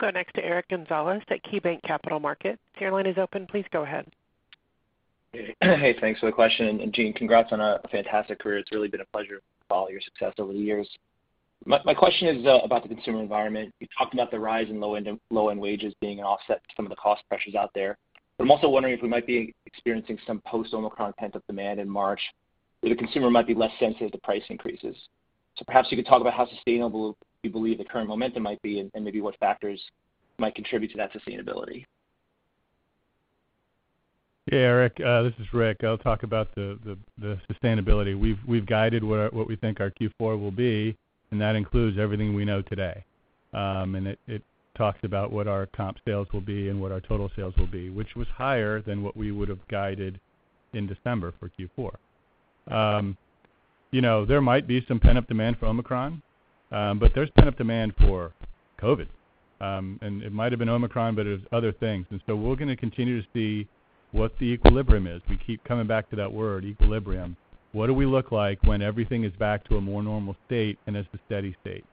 We'll go next to Eric Gonzalez at KeyBanc Capital Markets. Your line is open. Please go ahead. Hey, thanks for the question. Gene, congrats on a fantastic career. It's really been a pleasure to follow your success over the years. My question is about the consumer environment. You talked about the rise in low-end wages being an offset to some of the cost pressures out there. I'm also wondering if we might be experiencing some post-Omicron pent-up demand in March, where the consumer might be less sensitive to price increases. Perhaps you could talk about how sustainable you believe the current momentum might be and maybe what factors might contribute to that sustainability. Yeah, Eric, this is Rick. I'll talk about the sustainability. We've guided what we think our Q4 will be, and that includes everything we know today. It talks about what our comp sales will be and what our total sales will be, which was higher than what we would have guided in December for Q4. You know, there might be some pent-up demand for Omicron, but there's pent-up demand for COVID. It might have been Omicron, but it's other things. We're gonna continue to see what the equilibrium is. We keep coming back to that word, equilibrium. What do we look like when everything is back to a more normal state and it's the steady state?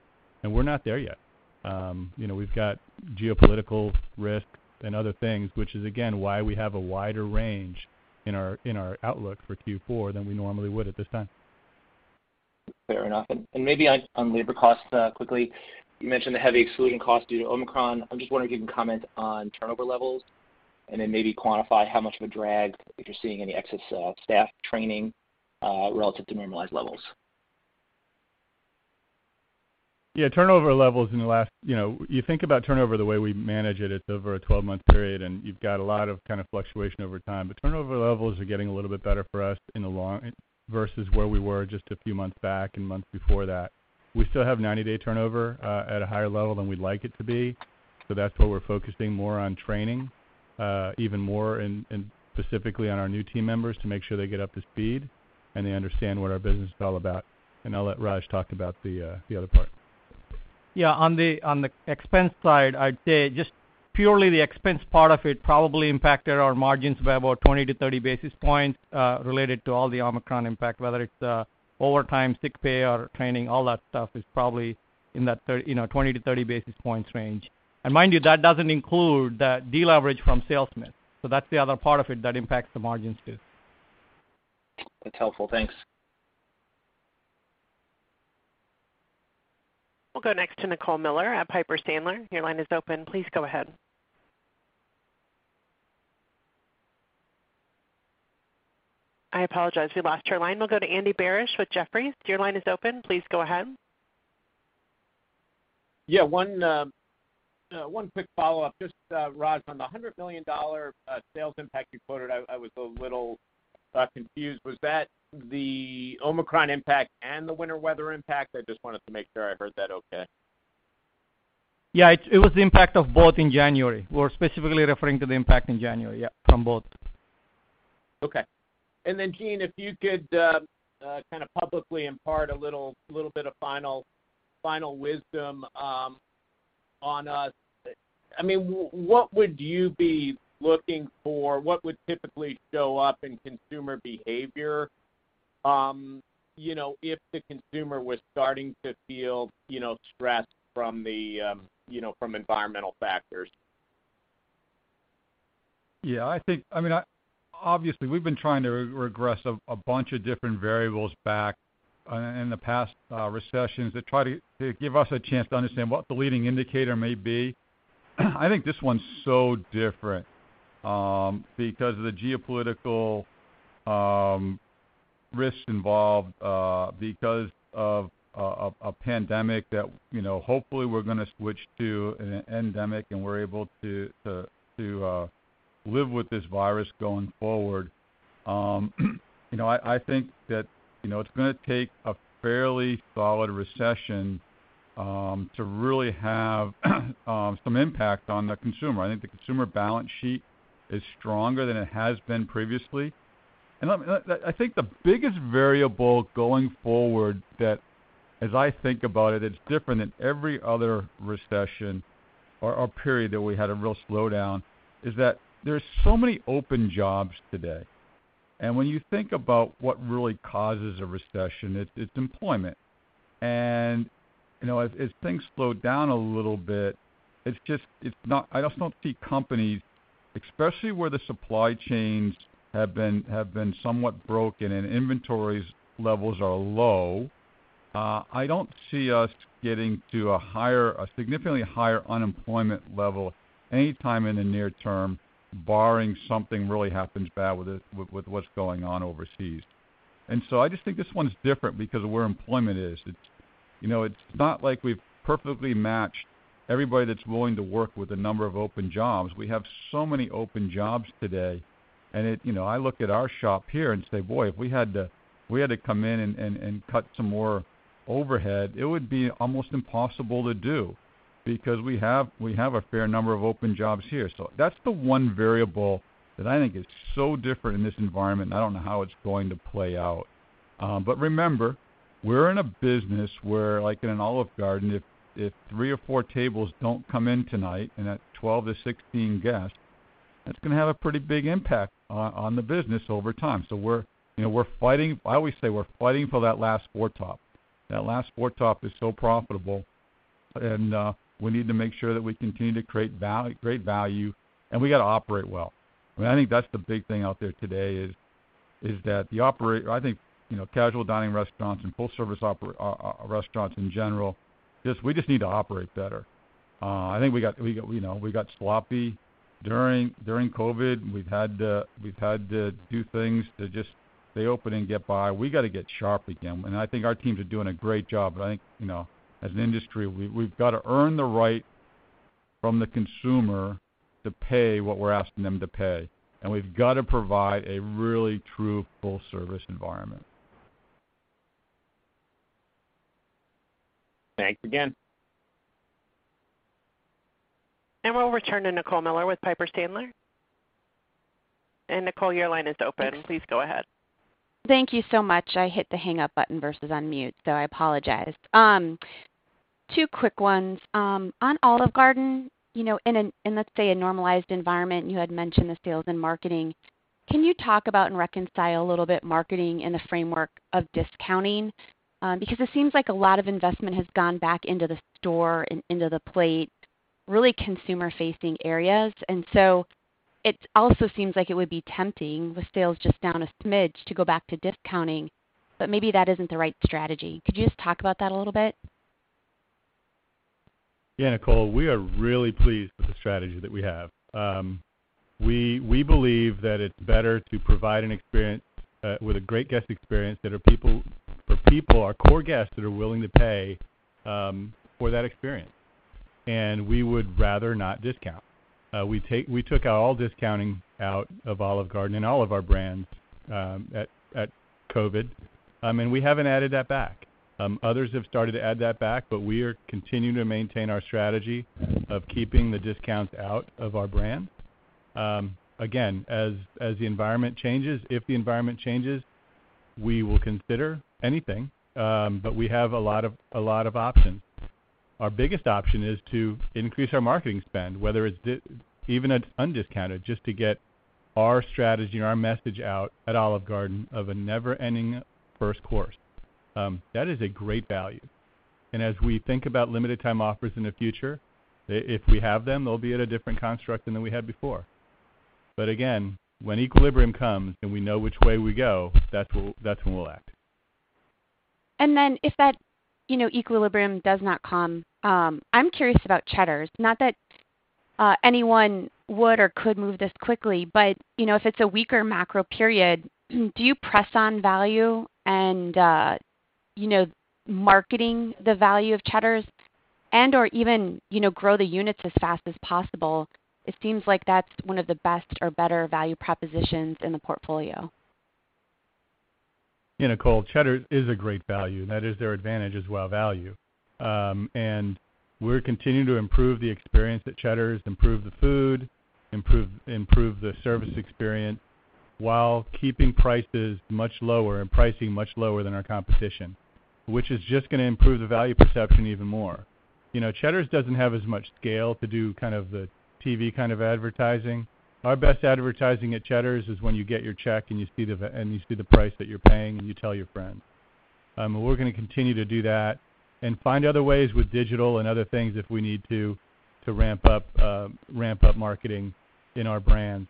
We're not there yet. You know, we've got geopolitical risk and other things, which is, again, why we have a wider range in our outlook for Q4 than we normally would at this time. Fair enough. Maybe on labor costs quickly, you mentioned the hefty excluding costs due to Omicron. I'm just wondering if you can comment on turnover levels and then maybe quantify how much of a drag, if you're seeing any excess staff training relative to normalized levels. Yeah, turnover levels in the last. You know, you think about turnover the way we manage it. It's over a 12-month period, and you've got a lot of kind of fluctuation over time. Turnover levels are getting a little bit better for us versus where we were just a few months back and months before that. We still have 90-day turnover at a higher level than we'd like it to be, so that's why we're focusing more on training even more and specifically on our new team members to make sure they get up to speed and they understand what our business is all about. I'll let Raj talk about the other part. Yeah. On the expense side, I'd say just purely the expense part of it probably impacted our margins by about 20-30 basis points related to all the Omicron impact, whether it's overtime, sick pay or training. All that stuff is probably in that 20-30 basis points range. Mind you, that doesn't include the deleverage from sales. That's the other part of it that impacts the margins too. That's helpful. Thanks. We'll go next to Nicole Miller at Piper Sandler. Your line is open. Please go ahead. I apologize, we lost your line. We'll go to Andy Barish with Jefferies. Your line is open. Please go ahead. Yeah. One quick follow-up. Just, Raj, on the $100 million sales impact you quoted, I was a little confused. Was that the Omicron impact and the winter weather impact? I just wanted to make sure I heard that okay. Yeah. It was the impact of both in January. We're specifically referring to the impact in January, yeah, from both. Okay. Gene, if you could kinda publicly impart a little bit of final wisdom. I mean, what would you be looking for? What would typically show up in consumer behavior, you know, if the consumer was starting to feel, you know, stress from the, you know, from environmental factors? Yeah. I think. I mean, obviously, we've been trying to regress a bunch of different variables back in the past recessions to try to give us a chance to understand what the leading indicator may be. I think this one's so different because of the geopolitical risks involved because of a pandemic that, you know, hopefully we're gonna switch to an endemic, and we're able to live with this virus going forward. You know, I think that, you know, it's gonna take a fairly solid recession to really have some impact on the consumer. I think the consumer balance sheet is stronger than it has been previously. I think the biggest variable going forward that, as I think about it's different than every other recession or a period that we had a real slowdown, is that there's so many open jobs today. When you think about what really causes a recession, it's employment. You know, as things slow down a little bit, it's just not. I just don't see companies, especially where the supply chains have been somewhat broken and inventory levels are low. I don't see us getting to a significantly higher unemployment level anytime in the near term, barring something really bad happens with what's going on overseas. I just think this one's different because of where employment is. It's, you know, it's not like we've perfectly matched everybody that's willing to work with the number of open jobs. We have so many open jobs today. It, you know, I look at our shop here and say, "Boy, if we had to come in and cut some more overhead," it would be almost impossible to do because we have a fair number of open jobs here. That's the one variable that I think is so different in this environment. I don't know how it's going to play out. Remember, we're in a business where like in an Olive Garden, if three or four tables don't come in tonight and that's 12-16 guests, that's gonna have a pretty big impact on the business over time. You know, we're fighting. I always say we're fighting for that last four-top. That last four-top is so profitable, and we need to make sure that we continue to create great value, and we got to operate well. I mean, I think that's the big thing out there today is that the operators. I think, you know, casual dining restaurants and full-service restaurants in general, we just need to operate better. I think we got sloppy during COVID. We've had to do things to just stay open and get by. We got to get sharp again. I think our teams are doing a great job. I think, you know, as an industry, we've got to earn the right from the consumer to pay what we're asking them to pay. We've got to provide a really true full service environment. Thanks again. We'll return to Nicole Miller with Piper Sandler. Nicole, your line is open. Please go ahead. Thank you so much. I hit the hang up button versus unmute, so I apologize. Two quick ones. On Olive Garden, you know, in let's say a normalized environment, you had mentioned the sales and marketing. Can you talk about and reconcile a little bit marketing in the framework of discounting? Because it seems like a lot of investment has gone back into the store and into the plate, really consumer-facing areas. It also seems like it would be tempting with sales just down a smidge to go back to discounting, but maybe that isn't the right strategy. Could you just talk about that a little bit? Yeah, Nicole Miller, we are really pleased with the strategy that we have. We believe that it's better to provide an experience with a great guest experience for people, our core guests that are willing to pay for that experience. We would rather not discount. We took all discounting out of Olive Garden and all of our brands at COVID. I mean, we haven't added that back. Others have started to add that back, but we are continuing to maintain our strategy of keeping the discounts out of our brand. Again, as the environment changes, if the environment changes, we will consider anything, but we have a lot of options. Our biggest option is to increase our marketing spend, whether it's even at undiscounted, just to get our strategy, our message out at Olive Garden of a Never Ending First Course. That is a great value. As we think about limited time offers in the future, if we have them, they'll be at a different construct than we had before. Again, when equilibrium comes and we know which way we go, that's when we'll act. Then if that, you know, equilibrium does not come, I'm curious about Cheddar's, not that anyone would or could move this quickly, but, you know, if it's a weaker macro period, do you press on value and, you know, marketing the value of Cheddar's and/or even, you know, grow the units as fast as possible? It seems like that's one of the best or better value propositions in the portfolio. Yeah, Nicole, Cheddar's is a great value, and that is their advantage as well, value. We're continuing to improve the experience at Cheddar's, improve the food, improve the service experience while keeping prices much lower and pricing much lower than our competition, which is just gonna improve the value perception even more. You know, Cheddar's doesn't have as much scale to do kind of the TV kind of advertising. Our best advertising at Cheddar's is when you get your check and you see the price that you're paying, and you tell your friend. We're gonna continue to do that and find other ways with digital and other things if we need to ramp up marketing in our brands.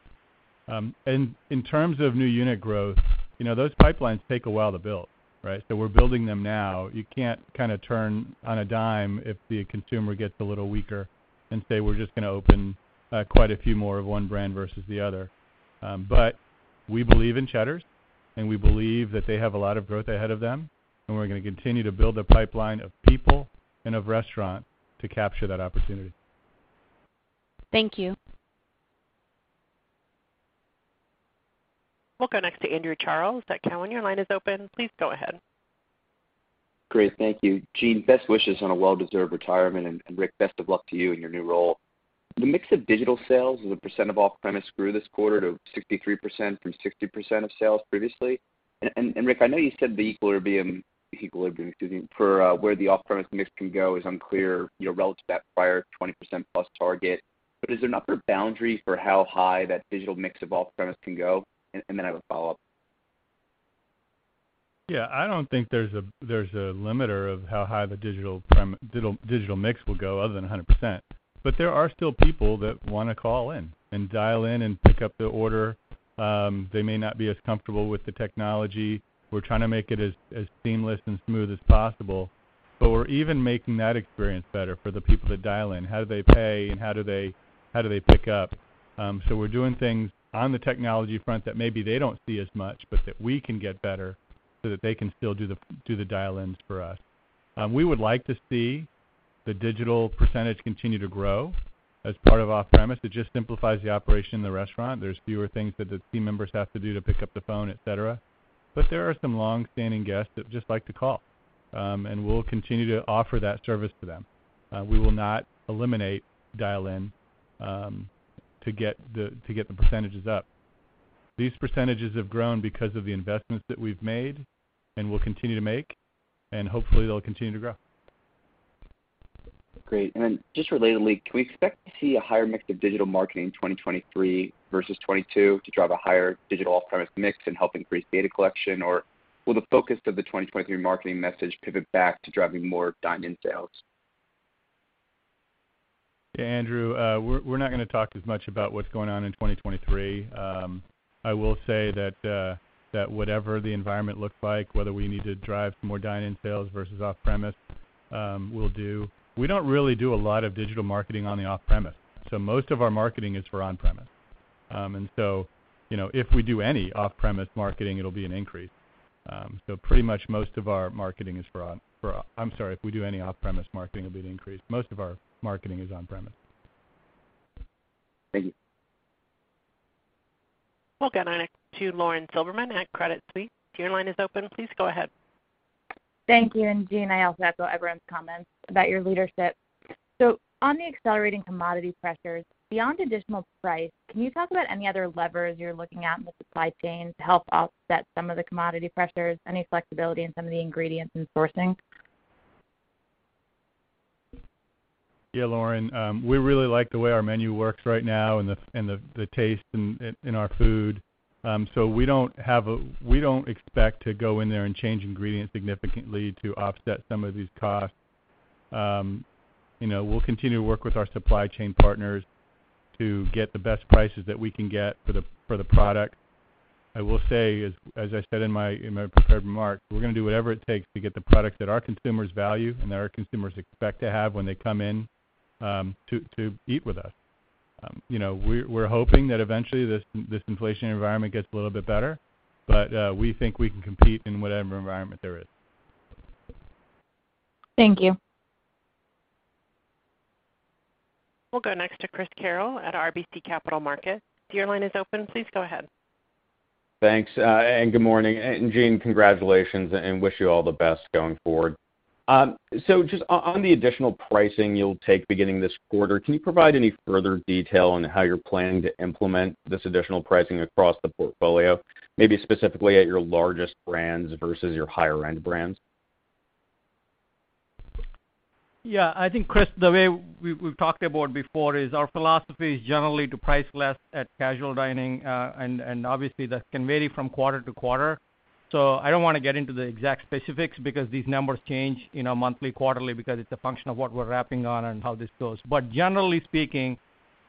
In terms of new unit growth, you know, those pipelines take a while to build, right? We're building them now. You can't kind of turn on a dime if the consumer gets a little weaker and say, we're just gonna open quite a few more of one brand versus the other. We believe in Cheddar's, and we believe that they have a lot of growth ahead of them, and we're gonna continue to build a pipeline of people and of restaurant to capture that opportunity. Thank you. We'll go next to Andrew Charles at Cowen. Your line is open. Please go ahead. Great. Thank you. Gene, best wishes on a well-deserved retirement, and Rick, best of luck to you in your new role. The mix of digital sales as a percent of off-premise grew this quarter to 63% from 60% of sales previously. Rick, I know you said the equilibrium, excuse me, for where the off-premise mix can go is unclear, you know, relative to that prior 20%+ target. Is there an upper boundary for how high that digital mix of off-premise can go? Then I have a follow-up. Yeah. I don't think there's a limiter of how high the digital mix will go other than 100%. There are still people that wanna call in and dial in and pick up the order. They may not be as comfortable with the technology. We're trying to make it as seamless and smooth as possible, but we're even making that experience better for the people to dial in, how do they pay, and how do they pick up? We're doing things on the technology front that maybe they don't see as much, but that we can get better so that they can still do the dial ins for us. We would like to see the digital percentage continue to grow as part of off-premise. It just simplifies the operation in the restaurant. There's fewer things that the team members have to do to pick up the phone, et cetera. There are some long-standing guests that just like to call, and we'll continue to offer that service to them. We will not eliminate dial-in to get the percentages up. These percentages have grown because of the investments that we've made and will continue to make, and hopefully they'll continue to grow. Great. Just relatedly, can we expect to see a higher mix of digital marketing in 2023 versus 2022 to drive a higher digital off-premise mix and help increase data collection? Or will the focus of the 2023 marketing message pivot back to driving more dine-in sales? Yeah, Andrew, we're not gonna talk as much about what's going on in 2023. I will say that whatever the environment looks like, whether we need to drive more dine-in sales versus off-premise, we'll do. We don't really do a lot of digital marketing on the off-premise, so most of our marketing is for on-premise. You know, if we do any off-premise marketing, it'll be an increase. Most of our marketing is on-premise. Thank you. We'll go next to Lauren Silberman at Credit Suisse. Your line is open. Please go ahead. Thank you. Gene, I also echo everyone's comments about your leadership. On the accelerating commodity pressures, beyond additional price, can you talk about any other levers you're looking at in the supply chain to help offset some of the commodity pressures, any flexibility in some of the ingredients and sourcing? Yeah, Lauren. We really like the way our menu works right now and the taste in our food, so we don't expect to go in there and change ingredients significantly to offset some of these costs. You know, we'll continue to work with our supply chain partners to get the best prices that we can get for the product. I will say, as I said in my prepared remarks, we're gonna do whatever it takes to get the product that our consumers value and that our consumers expect to have when they come in to eat with us. You know, we're hoping that eventually this inflation environment gets a little bit better, but we think we can compete in whatever environment there is. Thank you. We'll go next to Chris Carril at RBC Capital Markets. Your line is open. Please go ahead. Thanks and good morning. Gene, congratulations, and wish you all the best going forward. Just on the additional pricing you'll take beginning this quarter, can you provide any further detail on how you're planning to implement this additional pricing across the portfolio, maybe specifically at your largest brands versus your higher-end brands? Yeah. I think, Chris, the way we've talked about before is our philosophy generally to price less at casual dining, and obviously that can vary from quarter to quarter. I don't wanna get into the exact specifics because these numbers change, you know, monthly, quarterly because it's a function of what we're wrapping on and how this goes. Generally speaking,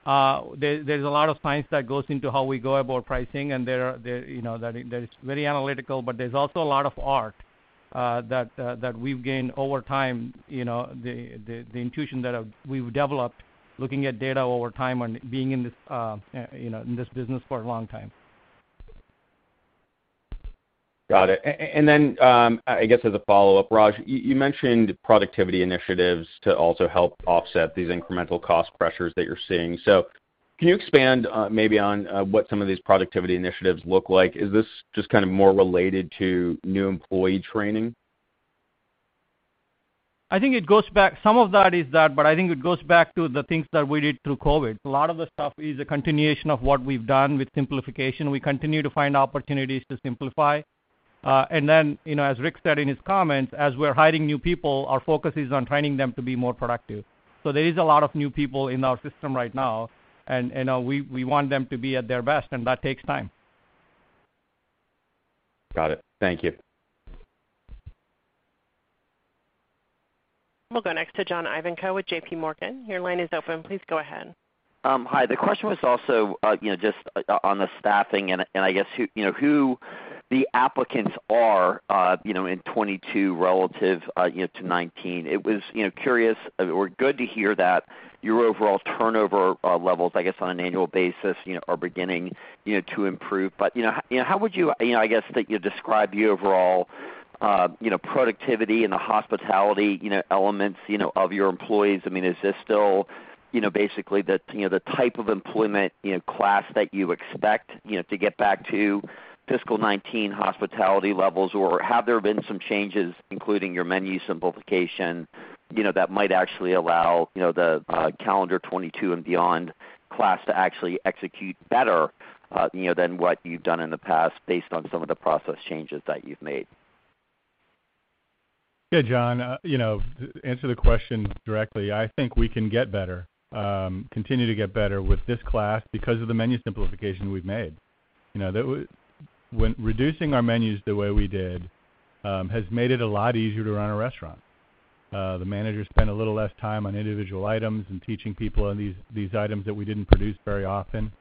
there's a lot of science that goes into how we go about pricing, and that is very analytical, but there's also a lot of art that we've gained over time, you know, the intuition that we've developed looking at data over time and being in this, you know, in this business for a long time. Got it. Then, I guess as a follow-up, Raj, you mentioned productivity initiatives to also help offset these incremental cost pressures that you're seeing. Can you expand, maybe on what some of these productivity initiatives look like? Is this just kind of more related to new employee training? Some of that is that, but I think it goes back to the things that we did through COVID. A lot of the stuff is a continuation of what we've done with simplification. We continue to find opportunities to simplify. And then, you know, as Rick said in his comments, as we're hiring new people, our focus is on training them to be more productive. There is a lot of new people in our system right now, and, you know, we want them to be at their best, and that takes time. Got it. Thank you. We'll go next to John Ivankoe with JPMorgan. Your line is open. Please go ahead. Hi. The question was also, you know, just on the staffing and I guess who, you know, who the applicants are, you know, in 2022 relative to 2019. It was, you know, curious or good to hear that your overall turnover levels, I guess, on an annual basis, you know, are beginning, you know, to improve. You know, how would you know, I guess, think you'd describe your overall, you know, productivity and the hospitality, you know, elements, you know, of your employees? I mean, is this still, you know, basically the, you know, the type of employment, you know, class that you expect, you know, to get back to fiscal 2019 hospitality levels, or have there been some changes, including your menu simplification, you know, that might actually allow, you know, the calendar 2022 and beyond class to actually execute better, you know, than what you've done in the past based on some of the process changes that you've made? Yeah, John. You know, to answer the question directly, I think we can get better, continue to get better with this class because of the menu simplification we've made. You know, that reducing our menus the way we did has made it a lot easier to run a restaurant. The managers spend a little less time on individual items and teaching people on these items that we didn't produce very often.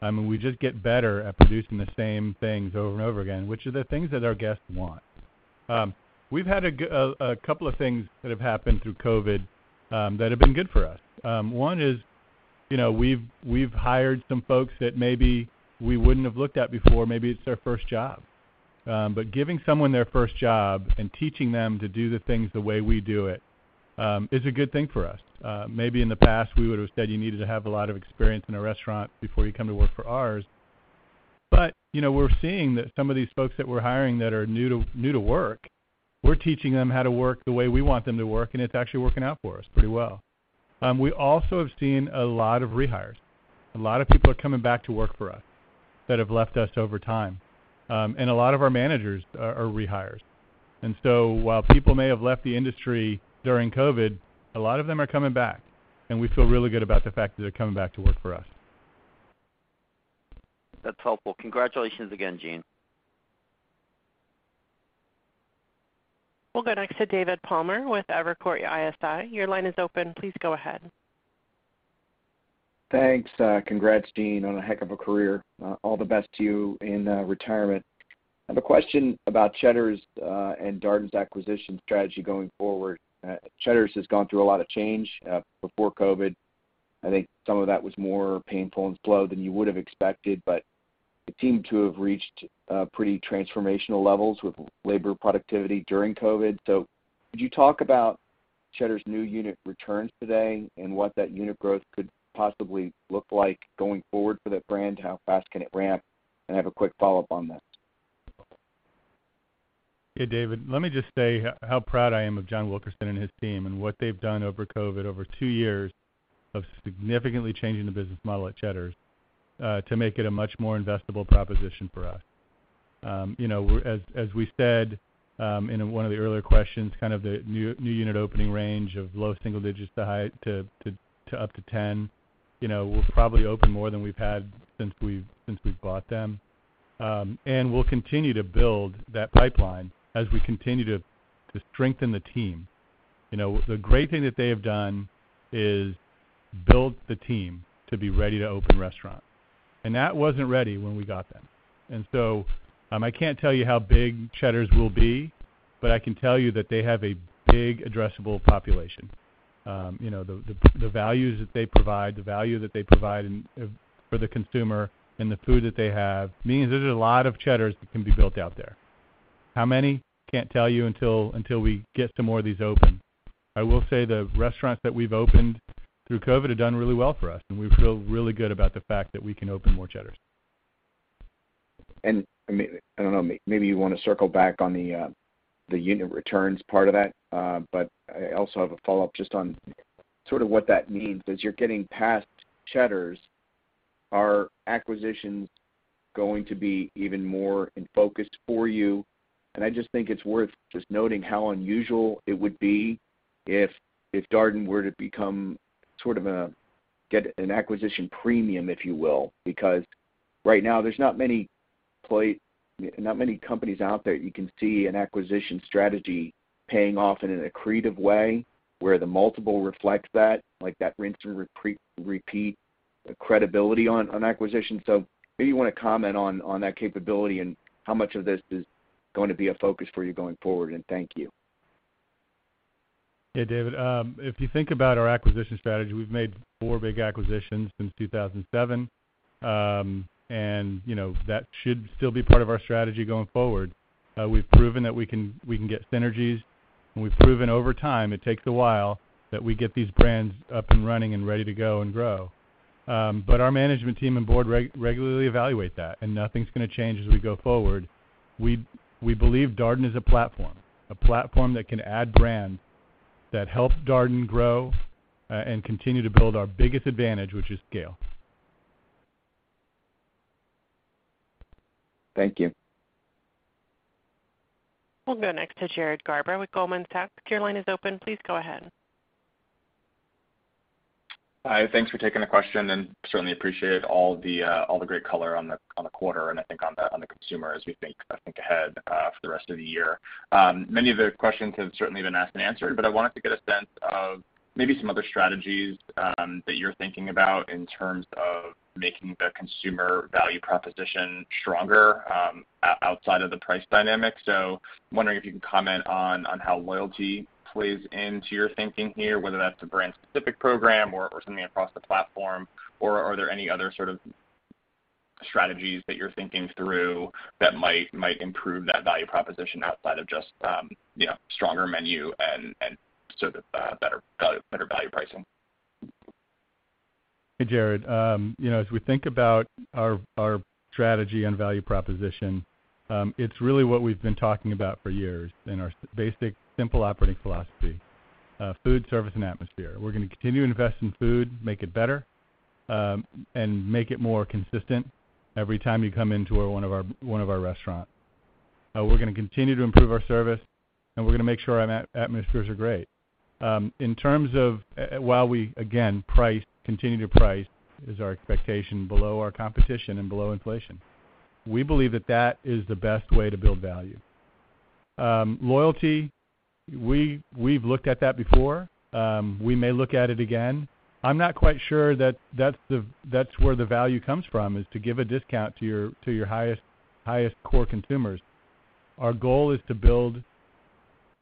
I mean, we just get better at producing the same things over and over again, which are the things that our guests want. We've had a couple of things that have happened through COVID that have been good for us. One is, you know, we've hired some folks that maybe we wouldn't have looked at before. Maybe it's their first job, but giving someone their first job and teaching them to do the things the way we do it is a good thing for us. Maybe in the past, we would've said you needed to have a lot of experience in a restaurant before you come to work for ours. You know, we're seeing that some of these folks that we're hiring that are new to work, we're teaching them how to work the way we want them to work, and it's actually working out for us pretty well. We also have seen a lot of rehires. A lot of people are coming back to work for us that have left us over time. And a lot of our managers are rehires. While people may have left the industry during COVID, a lot of them are coming back, and we feel really good about the fact that they're coming back to work for us. That's helpful. Congratulations again, Gene. We'll go next to David Palmer with Evercore ISI. Your line is open. Please go ahead. Thanks. Congrats, Gene, on a heck of a career. All the best to you in retirement. I have a question about Cheddar's and Darden's acquisition strategy going forward. Cheddar's has gone through a lot of change before COVID. I think some of that was more painful and slow than you would have expected, but it seemed to have reached pretty transformational levels with labor productivity during COVID. Could you talk about Cheddar's new unit returns today and what that unit growth could possibly look like going forward for that brand? How fast can it ramp? And I have a quick follow-up on that. Yeah, David, let me just say how proud I am of John Wilkerson and his team, and what they've done over COVID over two years of significantly changing the business model at Cheddar's, to make it a much more investable proposition for us. You know, as we said, in one of the earlier questions, kind of the new unit opening range of low single digits to high up to 10. You know, we'll probably open more than we've had since we've bought them. And we'll continue to build that pipeline as we continue to strengthen the team. You know, the great thing that they have done is build the team to be ready to open restaurants, and that wasn't ready when we got them. I can't tell you how big Cheddar's will be, but I can tell you that they have a big addressable population. You know, the values that they provide, the value that they provide and for the consumer and the food that they have means there's a lot of Cheddar's that can be built out there. How many? Can't tell you until we get some more of these open. I will say the restaurants that we've opened through COVID have done really well for us, and we feel really good about the fact that we can open more Cheddar's. I mean, I don't know, maybe you wanna circle back on the unit returns part of that. But I also have a follow-up just on sort of what that means. As you're getting past Cheddar's, are acquisitions going to be even more in focus for you? I just think it's worth just noting how unusual it would be if Darden were to become sort of get an acquisition premium, if you will. Because right now, there's not many companies out there you can see an acquisition strategy paying off in an accretive way where the multiple reflects that, like that rinse and repeat credibility on acquisition. So maybe you wanna comment on that capability and how much of this is going to be a focus for you going forward. Thank you. Yeah, David. If you think about our acquisition strategy, we've made four big acquisitions since 2007. You know, that should still be part of our strategy going forward. We've proven that we can get synergies, and we've proven over time, it takes a while, that we get these brands up and running and ready to go and grow. Our management team and board regularly evaluate that, and nothing's gonna change as we go forward. We believe Darden is a platform that can add brands that help Darden grow, and continue to build our biggest advantage, which is scale. Thank you. We'll go next to Jared Garber with Goldman Sachs. Your line is open. Please go ahead. Hi. Thanks for taking the question, and certainly appreciate all the great color on the quarter and I think on the consumer as we think ahead for the rest of the year. Many of the questions have certainly been asked and answered, but I wanted to get a sense of maybe some other strategies that you're thinking about in terms of making the consumer value proposition stronger outside of the price dynamic. Wondering if you can comment on how loyalty plays into your thinking here, whether that's a brand-specific program or something across the platform, or are there any other sort of strategies that you're thinking through that might improve that value proposition outside of just you know stronger menu and sort of better value pricing? Hey, Jared. You know, as we think about our strategy and value proposition, it's really what we've been talking about for years in our basic simple operating philosophy, food, service, and atmosphere. We're gonna continue to invest in food, make it better, and make it more consistent every time you come into one of our restaurants. We're gonna continue to improve our service, and we're gonna make sure our atmospheres are great. In terms of price, while we again continue to price below our competition and below inflation. We believe that that is the best way to build value. Loyalty, we've looked at that before. We may look at it again. I'm not quite sure that that's where the value comes from, is to give a discount to your highest core consumers. Our goal is to build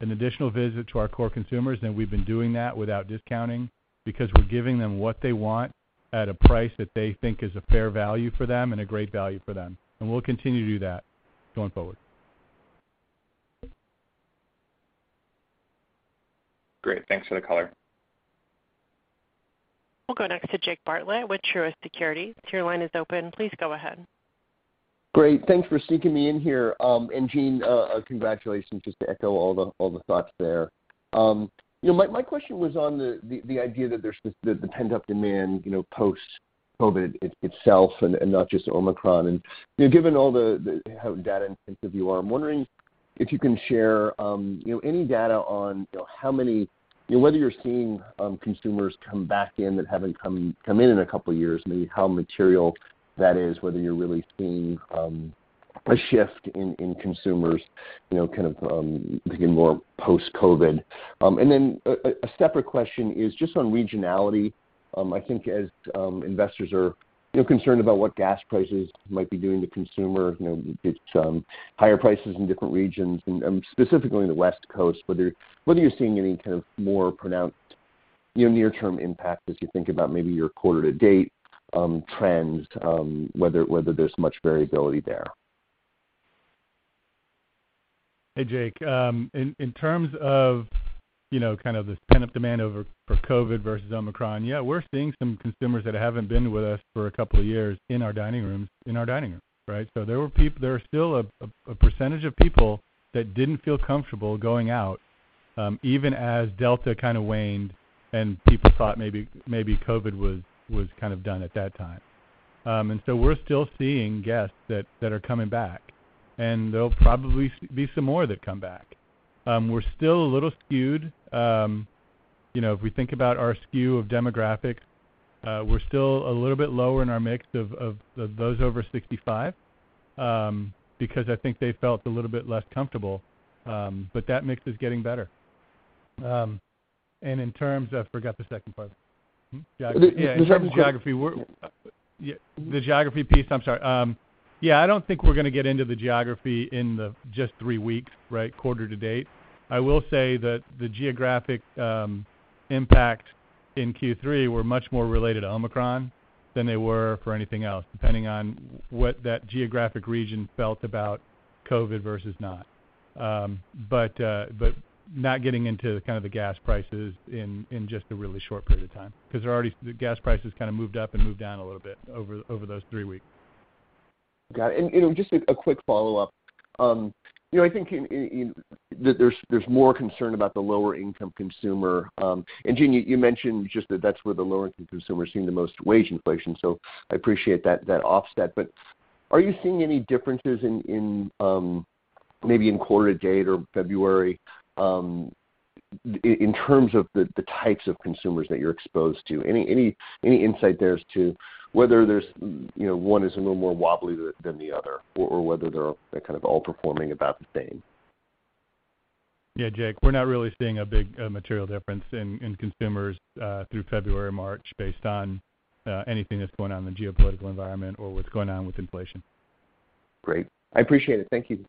an additional visit to our core consumers, and we've been doing that without discounting because we're giving them what they want at a price that they think is a fair value for them and a great value for them, and we'll continue to do that going forward. Great. Thanks for the color. We'll go next to Jake Bartlett with Truist Securities. Your line is open. Please go ahead. Great. Thanks for sneaking me in here. Gene, congratulations, just to echo all the thoughts there. You know, my question was on the idea that there's this pent-up demand, you know, post-COVID itself and not just Omicron. You know, given all the data and sense that you're, I'm wondering if you can share, you know, any data on whether you're seeing consumers come back in that haven't come in a couple years, maybe how material that is, whether you're really seeing a shift in consumers, you know, kind of becoming more post-COVID. Then a separate question is just on regionality. I think as investors are, you know, concerned about what gas prices might be doing to consumer, you know, it's higher prices in different regions and, specifically in the West Coast, whether you're seeing any kind of more pronounced, you know, near-term impact as you think about maybe your quarter to date trends, whether there's much variability there. Hey, Jake. In terms of, you know, kind of the pent-up demand over for COVID versus Omicron, yeah, we're seeing some consumers that haven't been with us for a couple of years in our dining rooms, right? There are still a percentage of people that didn't feel comfortable going out, even as Delta kind of waned and people thought maybe COVID was kind of done at that time. We're still seeing guests that are coming back. There'll probably be some more that come back. We're still a little skewed. You know, if we think about our skew of demographics, we're still a little bit lower in our mix of those over 65, because I think they felt a little bit less comfortable, but that mix is getting better. In terms of, I forgot the second part. Hmm? The, the- Yeah. In terms of geography, we're. The geography piece, I'm sorry. Yeah, I don't think we're gonna get into the geography in just three weeks, right, quarter to date. I will say that the geographic impact in Q3 were much more related to Omicron than they were for anything else, depending on what that geographic region felt about COVID versus not. But not getting into kind of the gas prices in just a really short period of time because they're already. The gas prices kind of moved up and moved down a little bit over those three weeks. Got it. You know, just a quick follow-up. You know, I think that there's more concern about the lower income consumer. Gene, you mentioned just that that's where the lower income consumer is seeing the most wage inflation, so I appreciate that offset. But are you seeing any differences in maybe in quarter to date or February in terms of the types of consumers that you're exposed to? Any insight there as to whether there's you know, one is a little more wobbly than the other, or whether they're kind of all performing about the same? Yeah, Jake, we're not really seeing a big, material difference in consumers through February, March based on anything that's going on in the geopolitical environment or what's going on with inflation. Great. I appreciate it. Thank you.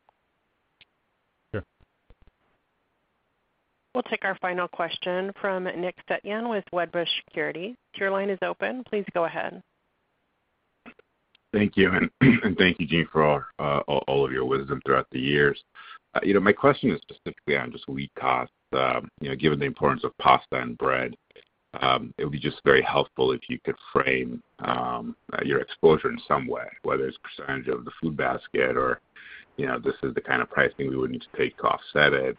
Sure. We'll take our final question from Nick Setyan with Wedbush Securities. Your line is open. Please go ahead. Thank you. Thank you, Gene, for all of your wisdom throughout the years. You know, my question is specifically on just wheat costs. You know, given the importance of pasta and bread, it would be just very helpful if you could frame your exposure in some way, whether it's percentage of the food basket or, you know, this is the kind of pricing we would need to take to offset it.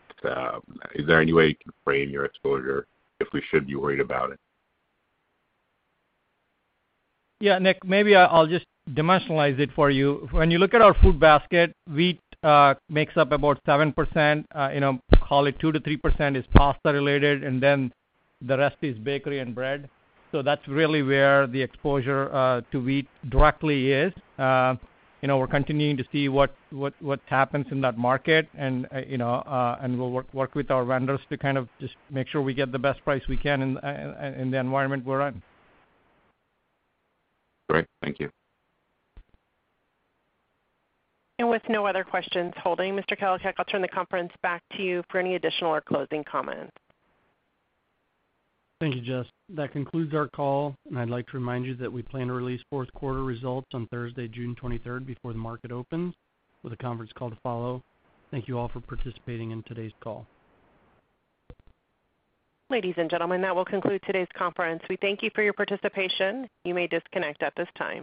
Is there any way you can frame your exposure if we should be worried about it? Yeah. Nick, maybe I'll just dimensionalize it for you. When you look at our food basket, wheat makes up about 7%, you know, call it 2%-3% is pasta related, and then the rest is bakery and bread. So that's really where the exposure to wheat directly is. You know, we're continuing to see what happens in that market and, you know, and we'll work with our vendors to kind of just make sure we get the best price we can in the environment we're in. Great. Thank you. With no other questions holding, Mr. Kalicak, I'll turn the conference back to you for any additional or closing comments. Thank you, Jess. That concludes our call, and I'd like to remind you that we plan to release fourth quarter results on Thursday, June 23rd, before the market opens with a conference call to follow. Thank you all for participating in today's call. Ladies and gentlemen, that will conclude today's conference. We thank you for your participation. You may disconnect at this time.